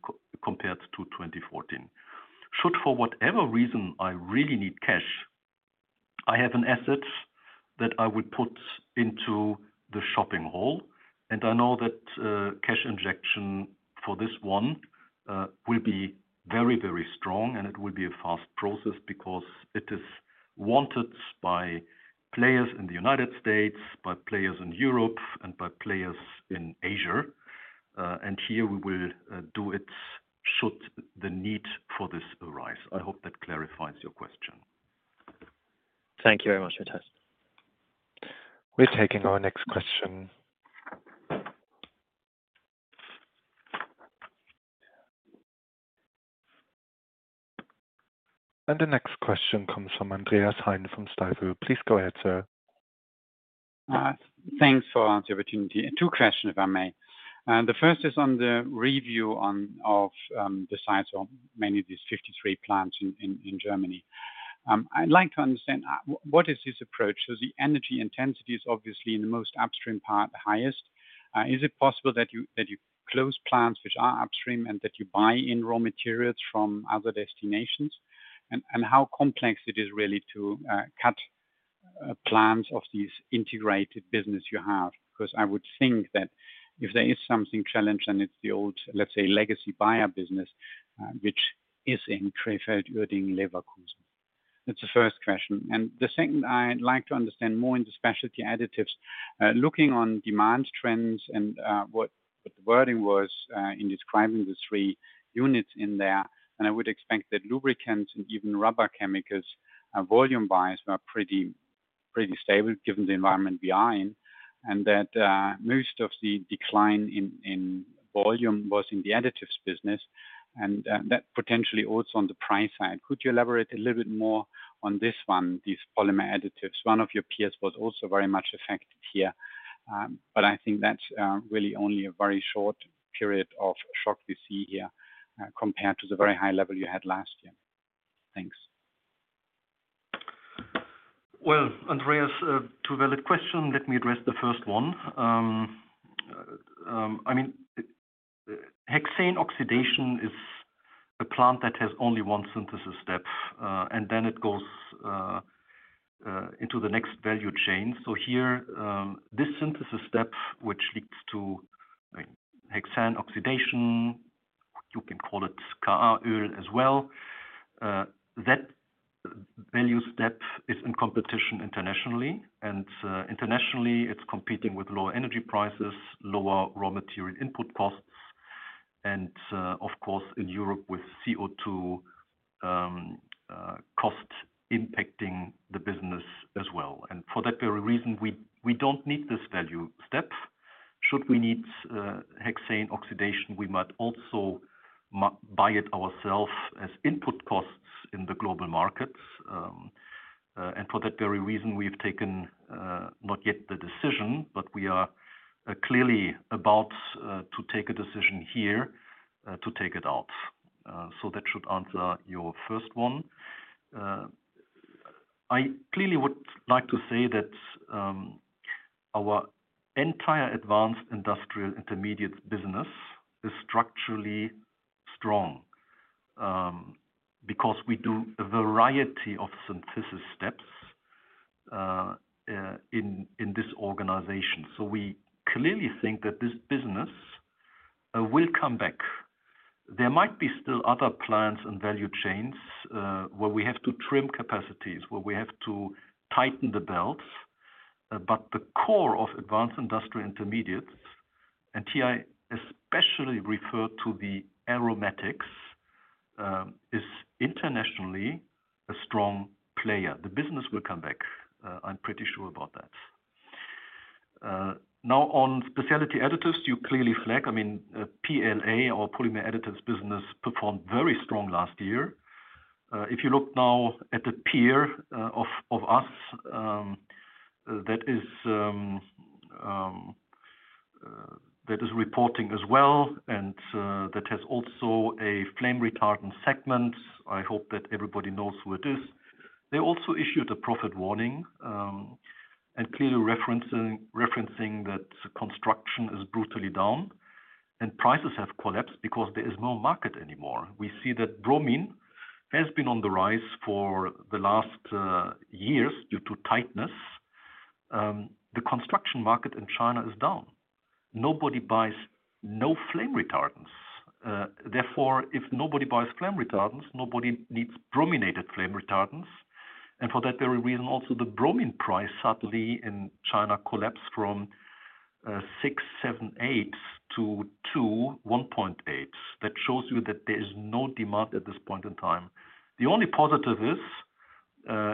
compared to 2014. Should, for whatever reason, I really need cash, I have an asset that I would put into the shopping hall, and I know that, cash injection for this one, will be very, very strong, and it will be a fast process because it is wanted by players in the United States, by players in Europe, and by players in Asia. Here we will, do it should the need for this arise. I hope that clarifies your question. Thank you very much, Matthias. We're taking our next question. The next question comes from Andreas Heine from Stifel. Please go ahead, sir. Thanks for the opportunity. Two question, if I may. The first is on the review on, of, the size of many of these 53 plants in, in, in Germany. I'd like to understand, what is this approach? The energy intensity is obviously in the most upstream part, the highest. Is it possible that you, that you close plants which are upstream and that you buy in raw materials from other destinations? How complex it is really to, cut, plants of these integrated business you have? Because I would think that if there is something challenged then it's the old, let's say, legacy buyer business, which is in Trevirk, Leverkusen.... That's the first question. The second, I'd like to understand more in the Specialty Additives. Looking on demand trends and what, what the wording was in describing the three units in there, I would expect that lubricants and even rubber chemicals, volume-wise, are pretty, pretty stable given the environment we are in. That most of the decline in volume was in the additives business, and that potentially also on the price side. Could you elaborate a little bit more on this one, these polymer additives? One of your peers was also very much affected here, but I think that's really only a very short period of shock we see here, compared to the very high level you had last year. Thanks. Andreas, two valid question. Let me address the first one. I mean, hexane oxidation is a plant that has only one synthesis step, and then it goes into the next value chain. Here, this synthesis step, which leads to like hexane oxidation, you can call it KA oil as well. That value step is in competition internationally, internationally, it's competing with lower energy prices, lower raw material input costs, of course, in Europe with CO2 cost impacting the business as well. For that very reason, we, we don't need this value step. Should we need hexane oxidation, we might also buy it ourself as input costs in the global markets. For that very reason, we've taken not yet the decision, but we are clearly about to take a decision here to take it out. That should answer your first one. I clearly would like to say that our entire Advanced Industrial Intermediates business is structurally strong because we do a variety of synthesis steps in this organization. We clearly think that this business will come back. There might be still other plants and value chains where we have to trim capacities, where we have to tighten the belts. The core of Advanced Industrial Intermediates, and here I especially refer to the aromatics, is internationally a strong player. The business will come back, I'm pretty sure about that. now on Specialty Additives, you clearly flag, I mean, PLA or Polymer Additives business performed very strong last year. If you look now at the peer of, of us, that is that is reporting as well and that has also a flame retardant segment. I hope that everybody knows who it is. They also issued a profit warning and clearly referencing, referencing that construction is brutally down and prices have collapsed because there is no market anymore. We see that bromine has been on the rise for the last years due to tightness. The construction market in China is down. Nobody buys no flame retardants. Therefore, if nobody buys flame retardants, nobody needs brominated flame retardants. For that very reason, also, the bromine price, suddenly in China, collapsed from six, seven, eight to two, 1.8. That shows you that there is no demand at this point in time. The only positive is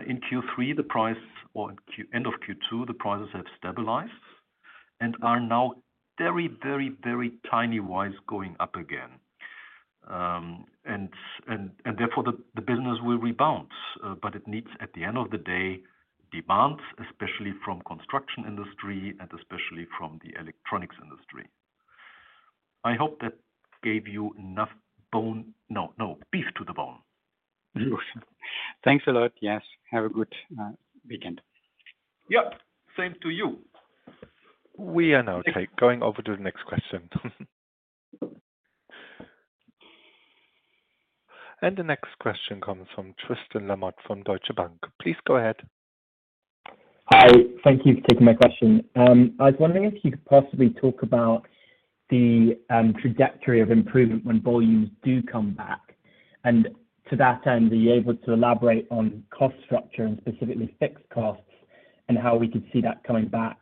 in Q3, the price, or in Q... End of Q2, the prices have stabilized and are now very, very, very tiny wise, going up again. Therefore, the business will rebound. It needs, at the end of the day, demands, especially from construction industry and especially from the electronics industry. I hope that gave you enough bone-- no, no, beef to the bone. Thanks a lot. Yes, have a good weekend. Yep, same to you. We are now going over to the next question. The next question comes from Tristan Lamotte, from Deutsche Bank. Please go ahead. Hi, thank you for taking my question. I was wondering if you could possibly talk about the trajectory of improvement when volumes do come back. To that end, are you able to elaborate on cost structure and specifically fixed costs, and how we could see that coming back?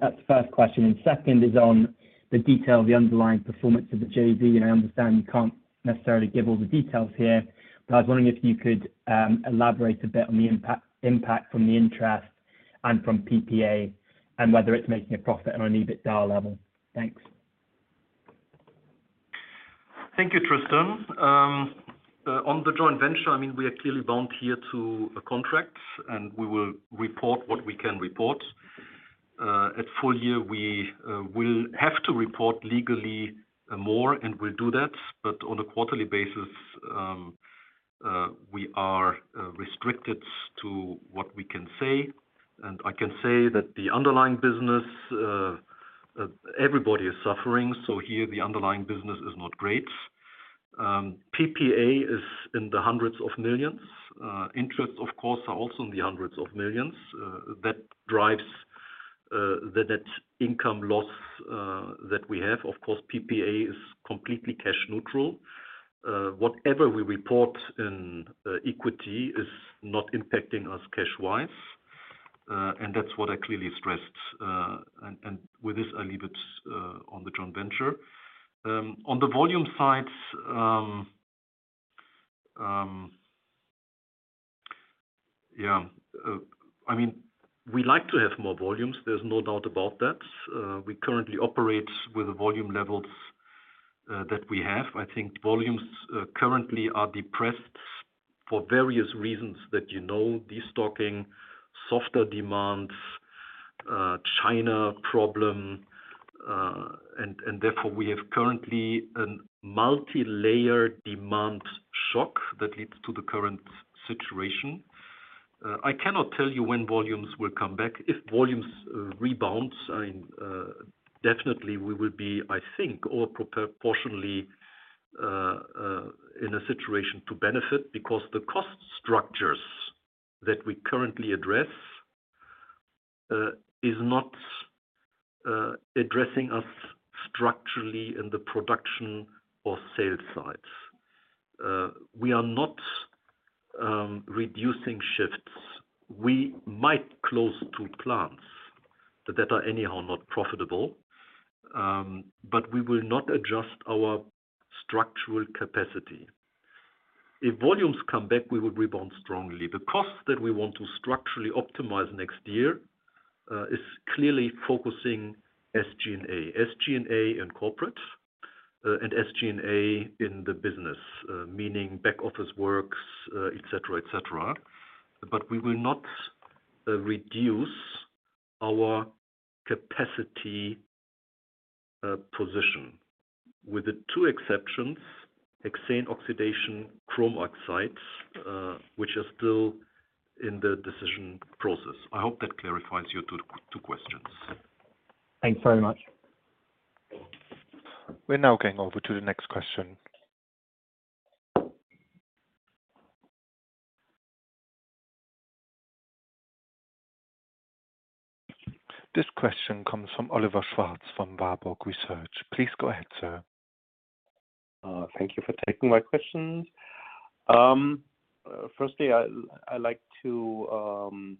That's the first question. Second is on the detail of the underlying performance of the JV. I understand you can't necessarily give all the details here, but I was wondering if you could elaborate a bit on the impact, impact from the interest and from PPA, and whether it's making a profit on an EBITDA level. Thanks. Thank you, Tristan. On the joint venture, I mean, we are clearly bound here to a contract, and we will report what we can report. At full year, we will have to report legally more, and we'll do that, but on a quarterly basis, we are restricted to what we can say. And I can say that the underlying business, everybody is suffering, so here the underlying business is not great. PPA is in the EUR hundreds of millions. Interest, of course, are also in the EUR hundreds of millions. That drives the net income loss that we have, of course, PPA is completely cash neutral. Whatever we report in equity is not impacting us cash-wise. That's what I clearly stressed. With this, I leave it on the joint venture. On the volume side, yeah. I mean, we like to have more volumes, there's no doubt about that. We currently operate with the volume levels that we have. I think volumes currently are depressed for various reasons that you know, destocking, softer demands, China problem, and therefore, we have currently a multilayer demand shock that leads to the current situation. I cannot tell you when volumes will come back. If volumes rebounds, I mean, definitely we will be, I think, or proportionally, in a situation to benefit, because the cost structures that we currently address, is not addressing us structurally in the production or sales sides. We are not reducing shifts. We might close two plants that are anyhow not profitable, but we will not adjust our structural capacity. If volumes come back, we will rebound strongly. The cost that we want to structurally optimize next year, is clearly focusing SG&A. SG&A and corporate, and SG&A in the business, meaning back office works, et cetera, et cetera. We will not reduce our capacity position. With the two exceptions, hexane oxidation, chrome oxides, which are still in the decision process. I hope that clarifies your two, two questions. Thanks very much. We're now going over to the next question. This question comes from Oliver Schwarz, from Warburg Research. Please go ahead, sir. Thank you for taking my questions. Firstly, I, I like to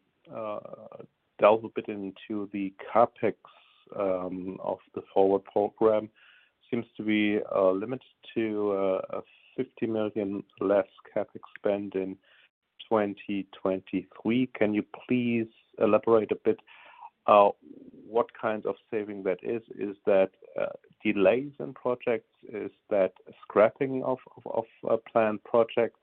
delve a bit into the CapEx of the FORWARD! program. Seems to be limited to a 50 million less CapEx spend in 2023. Can you please elaborate a bit what kind of saving that is? Is that delays in projects? Is that scrapping of, of, of planned projects?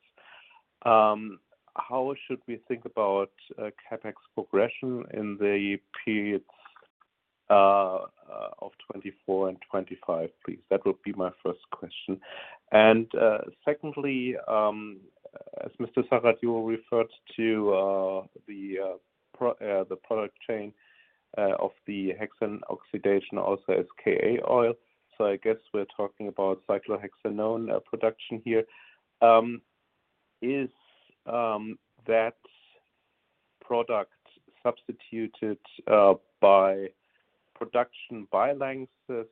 How should we think about CapEx progression in the periods of 2024 and 2025, please? That would be my first question. Secondly, as Mr. Zachert, you referred to the product chain of the cyclohexane oxidation, also as KA oil. I guess we're talking about cyclohexanone production here. Is that product substituted by production by LANXESS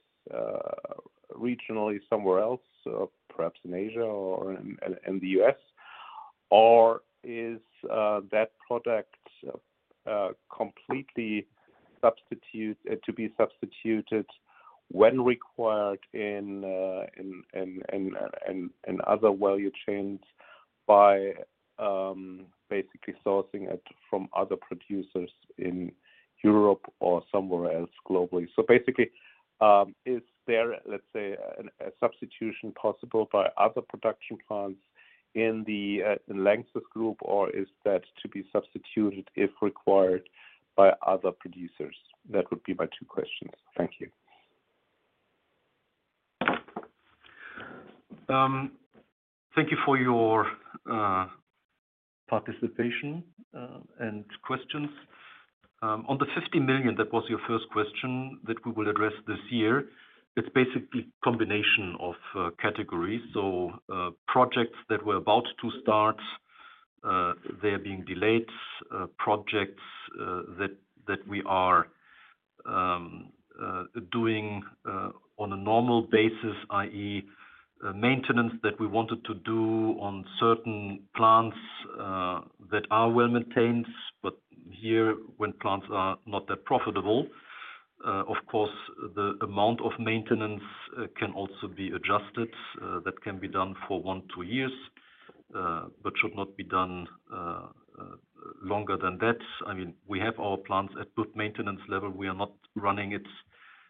regionally, somewhere else, perhaps in Asia or in the US? Is that product completely to be substituted when required in other value chains by basically sourcing it from other producers in Europe or somewhere else globally? Basically, is there, let's say, a substitution possible by other production plants in the LANXESS group, or is that to be substituted, if required, by other producers? That would be my two questions. Thank you. Thank you for your participation and questions. On the 50 million, that was your first question that we will address this year. It's basically a combination of categories. Projects that were about to start, they're being delayed. Projects that, that we are doing on a normal basis, i.e., maintenance that we wanted to do on certain plants, that are well-maintained, but here, when plants are not that profitable, of course, the amount of maintenance can also be adjusted. That can be done for 1, 2 years, but should not be done longer than that. I mean, we have our plants at good maintenance level. We are not running it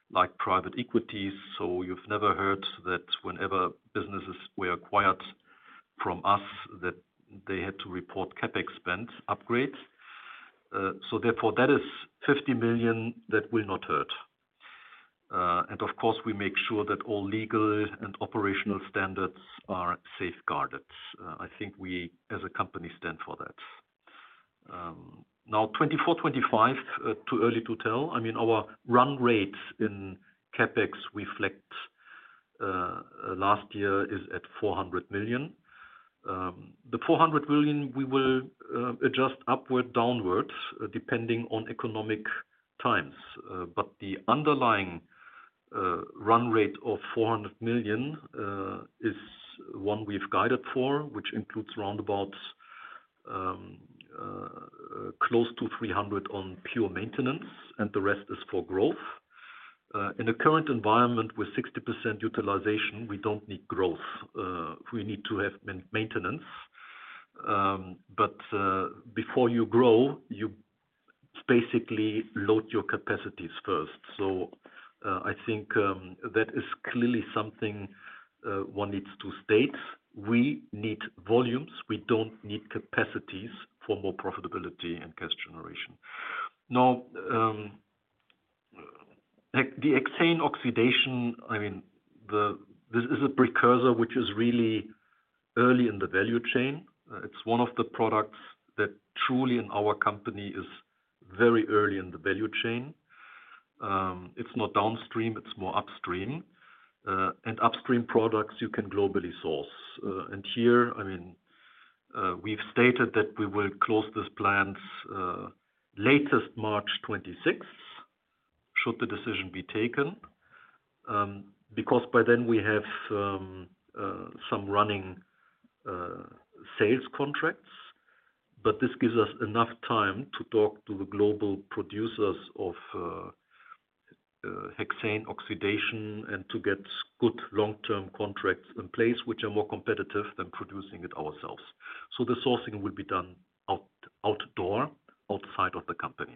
like private equity, you've never heard that whenever businesses were acquired from us, that they had to report CapEx spend upgrades. Therefore, that is 50 million that will not hurt. Of course, we make sure that all legal and operational standards are safeguarded. I think we, as a company, stand for that. Now, 2024, 2025, too early to tell. I mean, our run rates in CapEx reflect. Last year is at 400 million. The 400 million we will adjust upward, downward, depending on economic times. The underlying run rate of 400 million is one we've guided for, which includes round about close to 300 million on pure maintenance, and the rest is for growth. In the current environment, with 60% utilization, we don't need growth, we need to have maintenance. Before you grow, you basically load your capacities first. I think that is clearly something one needs to state. We need volumes. We don't need capacities for more profitability and cash generation. Heck, the hexane oxidation, I mean, this is a precursor which is really early in the value chain. It's one of the products that truly, in our company, is very early in the value chain. It's not downstream, it's more upstream. Upstream products you can globally source. And here, I mean, we've stated that we will close these plants, latest March 26, should the decision be taken. Because by then we have some running sales contracts, this gives us enough time to talk to the global producers of hexane oxidation and to get good long-term contracts in place, which are more competitive than producing it ourselves. The sourcing will be done outside of the company.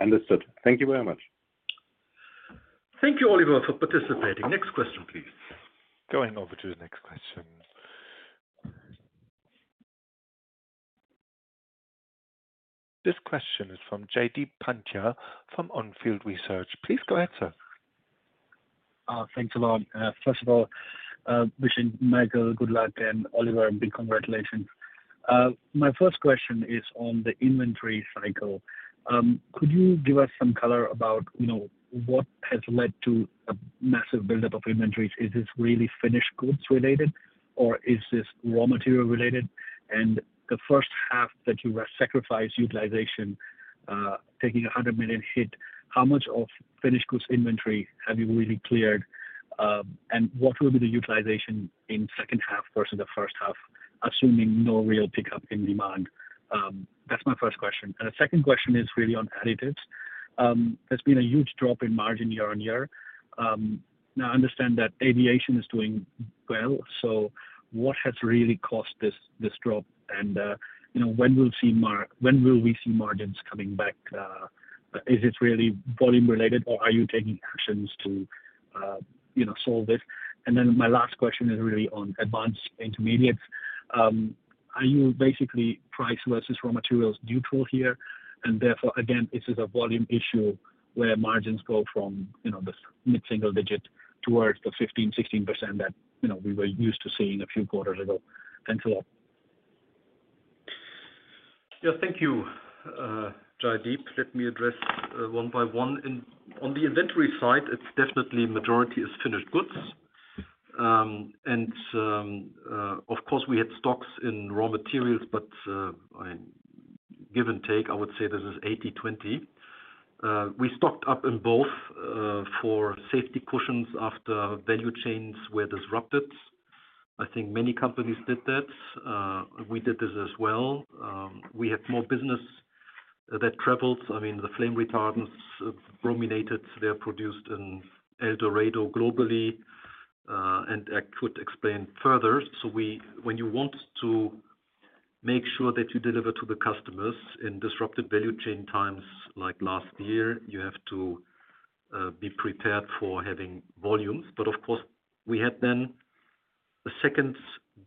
Understood. Thank you very much. Thank you, Oliver, for participating. Next question, please. Going over to the next question. This question is from Jaideep Pandya, from On Field Research. Please go ahead, sir. Thanks a lot. First of all, wishing Michael good luck, and Oliver, a big congratulations. My 1st question is on the inventory cycle. Could you give us some color about, you know, what has led to a massive buildup of inventories? Is this really finished goods-related, or is this raw material-related? The first half that you were sacrifice utilization, taking a 100 million hit, how much of finished goods inventory have you really cleared? What will be the utilization in second half versus the first half, assuming no real pickup in demand? That's my first question. The second question is really on Specialty Additives. There's been a huge drop in margin year-over-year. Now I understand that aviation is doing well, so what has really caused this, this drop? You know, when we'll see when will we see margins coming back, is it really volume-related, or are you taking actions to, you know, solve this? My last question is really on Advanced Intermediates. Are you basically price versus raw materials neutral here? Again, this is a volume issue where margins go from, you know, this mid-single digit towards the 15%, 16% that, you know, we were used to seeing a few quarters ago. Thanks a lot. Yeah, thank you, Jaideep. Let me address one by one. On the inventory side, it's definitely majority is finished goods. And, of course, we had stocks in raw materials, but, I give and take, I would say this is 80/20. We stocked up in both for safety cushions after value chains were disrupted. I think many companies did that. We did this as well. We had more business that traveled. I mean, the flame retardants, brominated, they are produced in El Dorado globally, and I could explain further. When you want to make sure that you deliver to the customers in disrupted value chain times, like last year, you have to be prepared for having volumes. Of course, we had then a second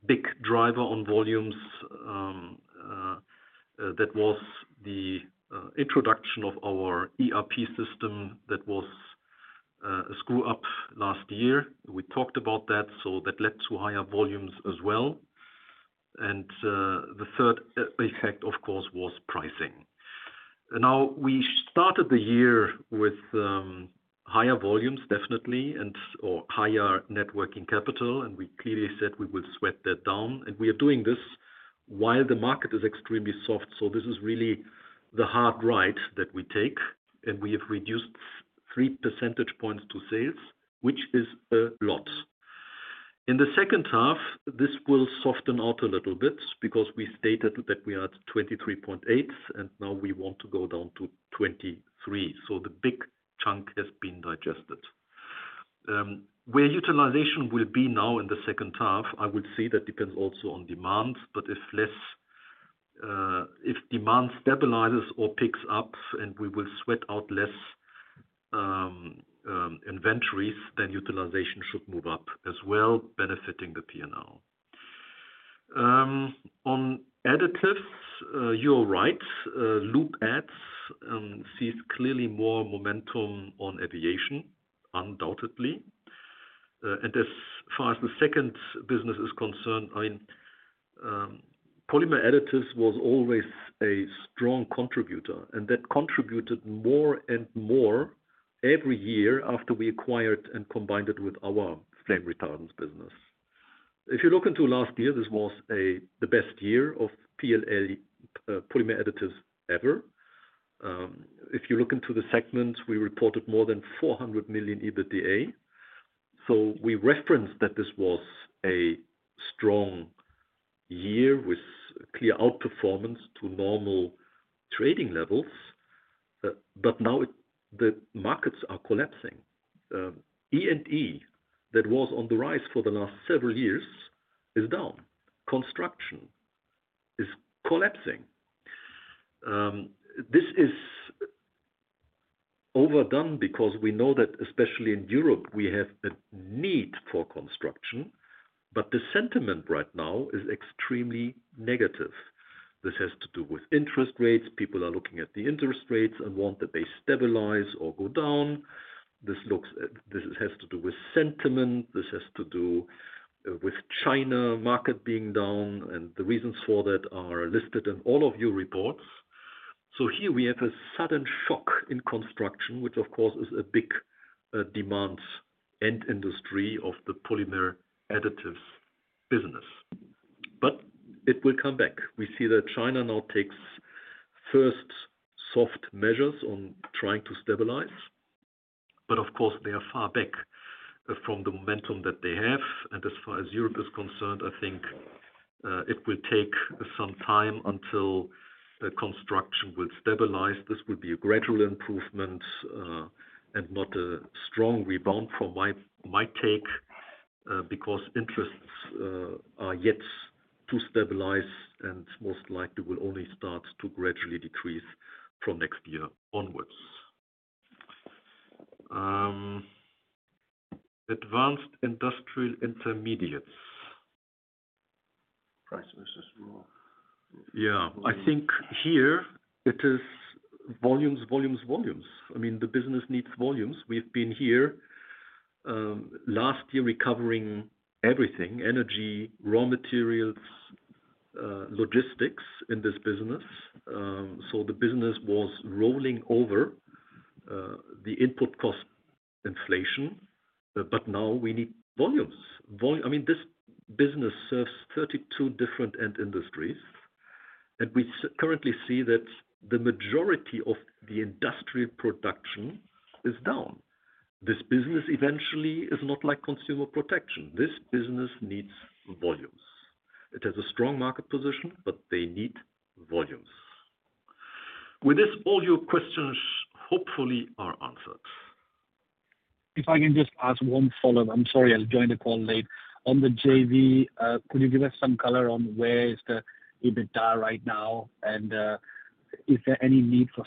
big driver on volumes, that was the introduction of our ERP system. That was a screw-up last year. We talked about that, so that led to higher volumes as well. The third effect, of course, was pricing. Now, we started the year with higher volumes, definitely, and/or higher net working capital, and we clearly said we will sweat that down, and we are doing this while the market is extremely soft. This is really the hard right that we take, and we have reduced 3 percentage points to sales, which is a lot. In the second half, this will soften out a little bit because we stated that we are at 23.8, and now we want to go down to 23. The big chunk has been digested. Where utilization will be now in the second half, I would say that depends also on demand, but if less, if demand stabilizes or picks up and we will sweat out less inventories, then utilization should move up as well, benefiting the P&L. On additives, you're right. Look at, sees clearly more momentum on aviation, undoubtedly. As far as the second business is concerned, Polymer Additives was always a strong contributor, and that contributed more and more every year after we acquired and combined it with our flame retardants business. If you look into last year, this was a, the best year of PLA, Polymer Additives ever. If you look into the segments, we reported more than 400 million EBITDA. We referenced that this was a strong year with clear outperformance to normal trading levels, now the markets are collapsing. E&E, that was on the rise for the last several years, is down. Construction is collapsing. This is overdone because we know that especially in Europe, we have a need for construction, the sentiment right now is extremely negative. This has to do with interest rates. People are looking at the interest rates and want that they stabilize or go down. This has to do with sentiment, this has to do with China market being down, the reasons for that are listed in all of your reports. Here we have a sudden shock in construction, which of course, is a big demand end industry of the Polymer Additives business. It will come back. We see that China now takes first soft measures on trying to stabilize, but of course, they are far back from the momentum that they have. As far as Europe is concerned, I think, it will take some time until the construction will stabilize. This will be a gradual improvement, and not a strong rebound from my, my take, because interests, are yet to stabilize and most likely will only start to gradually decrease from next year onwards. Advanced Industrial Intermediates. Prices is low. Yeah. I think here it is volumes, volumes, volumes. I mean, the business needs volumes. We've been here last year, recovering everything: energy, raw materials, logistics in this business. The business was rolling over the input cost inflation, now we need volumes. I mean, this business serves 32 different end industries, and we currently see that the majority of the industrial production is down. This business eventually is not like Consumer Protection. This business needs volumes. It has a strong market position, but they need volumes. With this, all your questions, hopefully are answered. If I can just ask one follow-up. I'm sorry, I joined the call late. On the JV, could you give us some color on where is the EBITDA right now? Is there any need for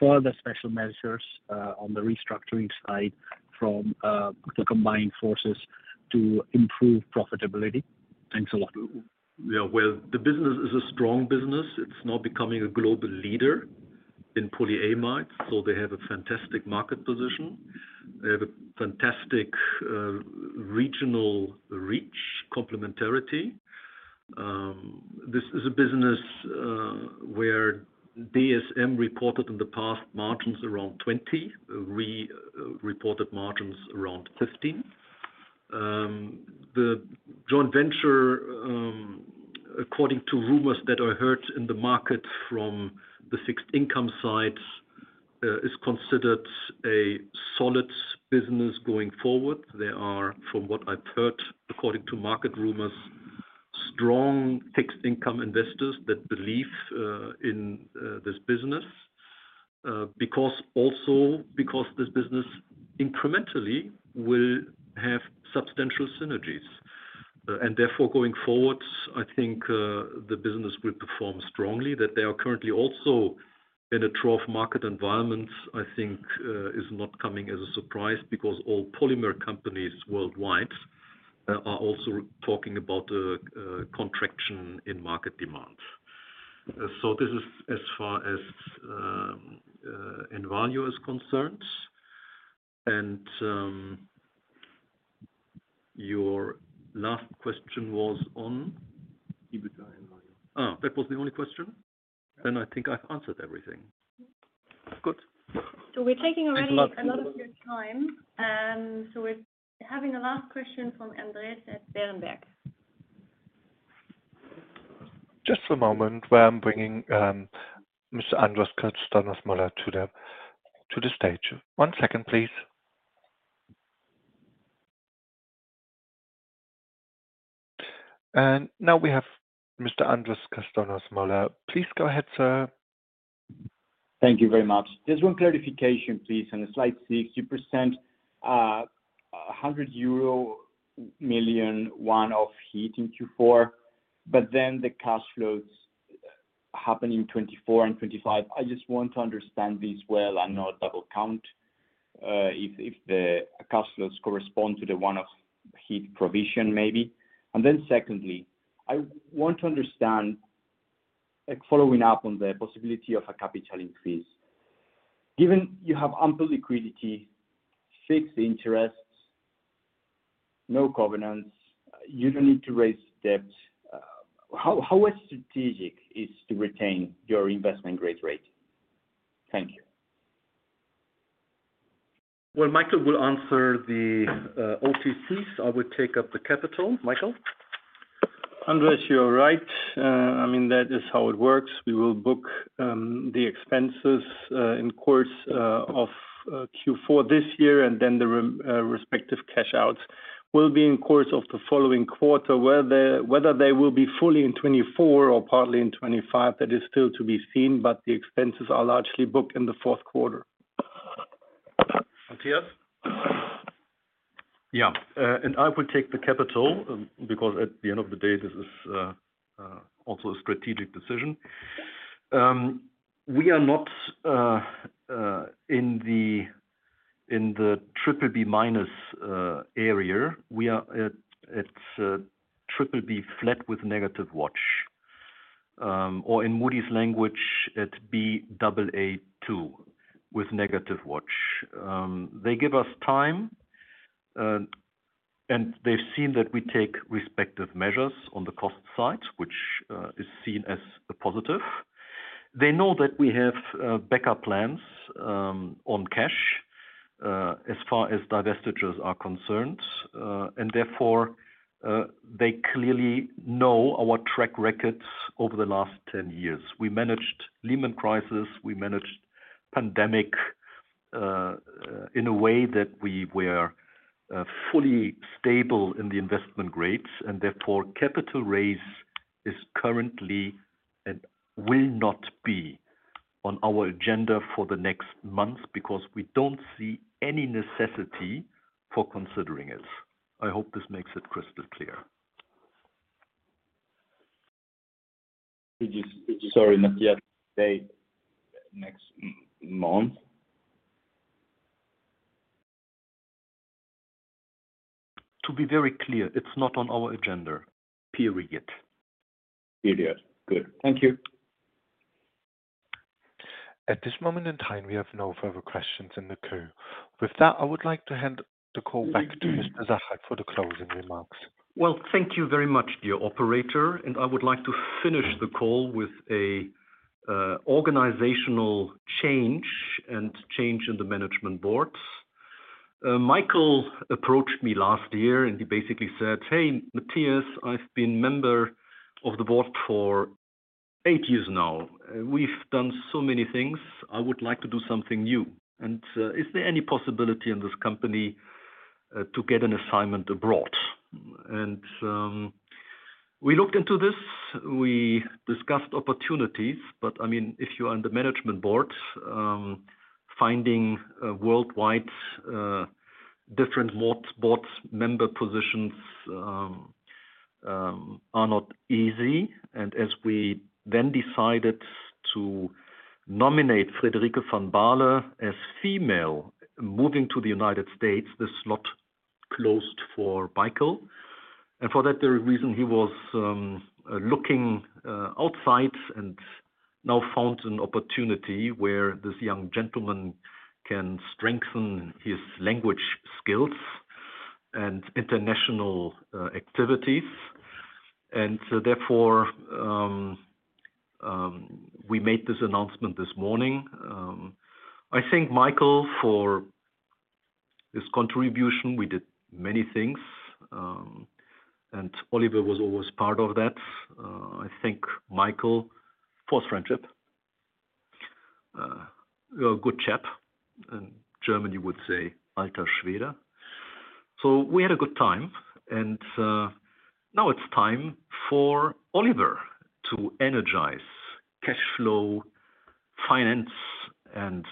further special measures on the restructuring side from the combined forces to improve profitability? Thanks a lot. Yeah, well, the business is a strong business. It's now becoming a global leader in polyamides. They have a fantastic market position. They have a fantastic regional reach, complementarity. This is a business where DSM reported in the past, margins around 20%. We reported margins around 15%. The joint venture, according to rumors that I heard in the market from the fixed income side, is considered a solid business going forward. They are, from what I've heard, according to market rumors, strong fixed income investors that believe in this business. Because also, because this business incrementally will have substantial synergies. Therefore, going forward, I think, the business will perform strongly. That they are currently also in a trough market environment, I think, is not coming as a surprise because all polymer companies worldwide, are also talking about the contraction in market demand. This is as far as Envalior is concerned. Your last question was on? EBITDA, Envalior. Oh, that was the only question? I think I've answered everything. Good. We're taking already a lot of your time. We're having a last question from Andres at Berenberg. Just a moment, where I'm bringing Mr. Andres Castanos-Mollor to the, to the stage. One second, please. Now we have Mr. Andres Castanos-Mollor. Please, go ahead, sir. Thank you very much. Just one clarification, please, on slide 60%, 100 million euro, one-off hit in Q4, but then the cash flows happening 2024 and 2025. I just want to understand this well and not double count, if, if the cash flows correspond to the one-off hit provision, maybe. Secondly, I want to understand, like following up on the possibility of a capital increase. Given you have ample liquidity, fixed interest, no covenants, you don't need to raise debt. How, how strategic is to retain your investment grade rate? Thank you. Well, Michael will answer the OTCs. I would take up the capital. Michael? Andreas, you're right. I mean, that is how it works. We will book the expenses in course of Q4 2023, and then the respective cash outs will be in course of the following quarter. Whether they will be fully in 2024 or partly in 2025, that is still to be seen. The expenses are largely booked in the fourth quarter. Matthias? Yeah, I will take the capital, because at the end of the day, this is also a strategic decision. We are not in the triple B minus area. We are at triple B flat with negative watch. Or in Moody's language, it's B double A two with negative watch. They give us time, and they've seen that we take respective measures on the cost side, which is seen as a positive. They know that we have backup plans on cash, as far as divestitures are concerned. Therefore, they clearly know our track records over the last 10 years. We managed Lehman crisis, we managed pandemic, in a way that we were fully stable in the investment grades. Therefore, capital raise is currently and will not be on our agenda for the next month because we don't see any necessity for considering it. I hope this makes it crystal clear. sorry, Matthias, say next month? To be very clear, it's not on our agenda, period. Period. Good. Thank you. At this moment in time, we have no further questions in the queue. With that, I would like to hand the call back to Mr. Zachert for the closing remarks. Well, thank you very much, dear operator. I would like to finish the call with a organizational change and change in the management boards. Michael approached me last year, and he basically said, "Hey, Matthias, I've been member of the board for 8 years now. We've done so many things. I would like to do something new. Is there any possibility in this company to get an assignment abroad?" We looked into this, we discussed opportunities, but I mean, if you are on the management board, finding worldwide different board, boards, member positions are not easy. As we then decided to nominate Frederica van Baarle as female, moving to the United States, the slot closed for Michael. For that very reason, he was looking outside and now found an opportunity where this young gentleman can strengthen his language skills and international activities. Therefore, we made this announcement this morning. I thank Michael for his contribution. We did many things, and Oliver was always part of that. I thank Michael for friendship. You're a good chap, and Germany would say, Alter Schwede. We had a good time, and now it's time for Oliver to energize cash flow, finance, and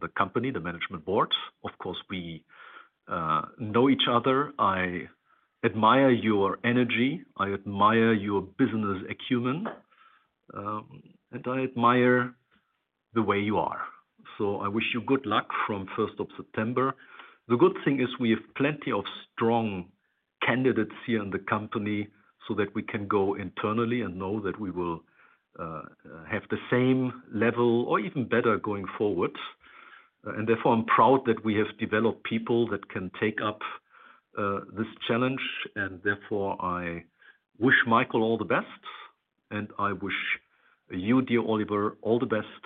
the company, the management board. Of course, we know each other. I admire your energy, I admire your business acumen, and I admire the way you are. I wish you good luck from 1st of September. The good thing is we have plenty of strong candidates here in the company so that we can go internally and know that we will have the same level or even better going forward. Therefore, I'm proud that we have developed people that can take up this challenge, and therefore, I wish Michael all the best, and I wish you, dear Oliver, all the best,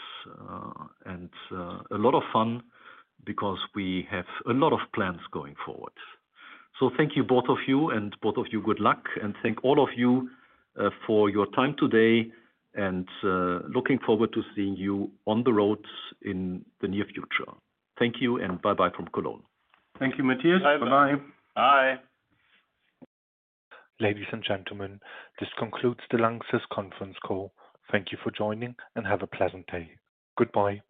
and a lot of fun because we have a lot of plans going forward. Thank you, both of you, and both of you, good luck. Thank all of you for your time today, and looking forward to seeing you on the roads in the near future. Thank you, and bye-bye from Cologne. Thank you, Matthias. Bye-bye. Bye. Ladies and gentlemen, this concludes the LANXESS conference call. Thank you for joining. Have a pleasant day. Goodbye.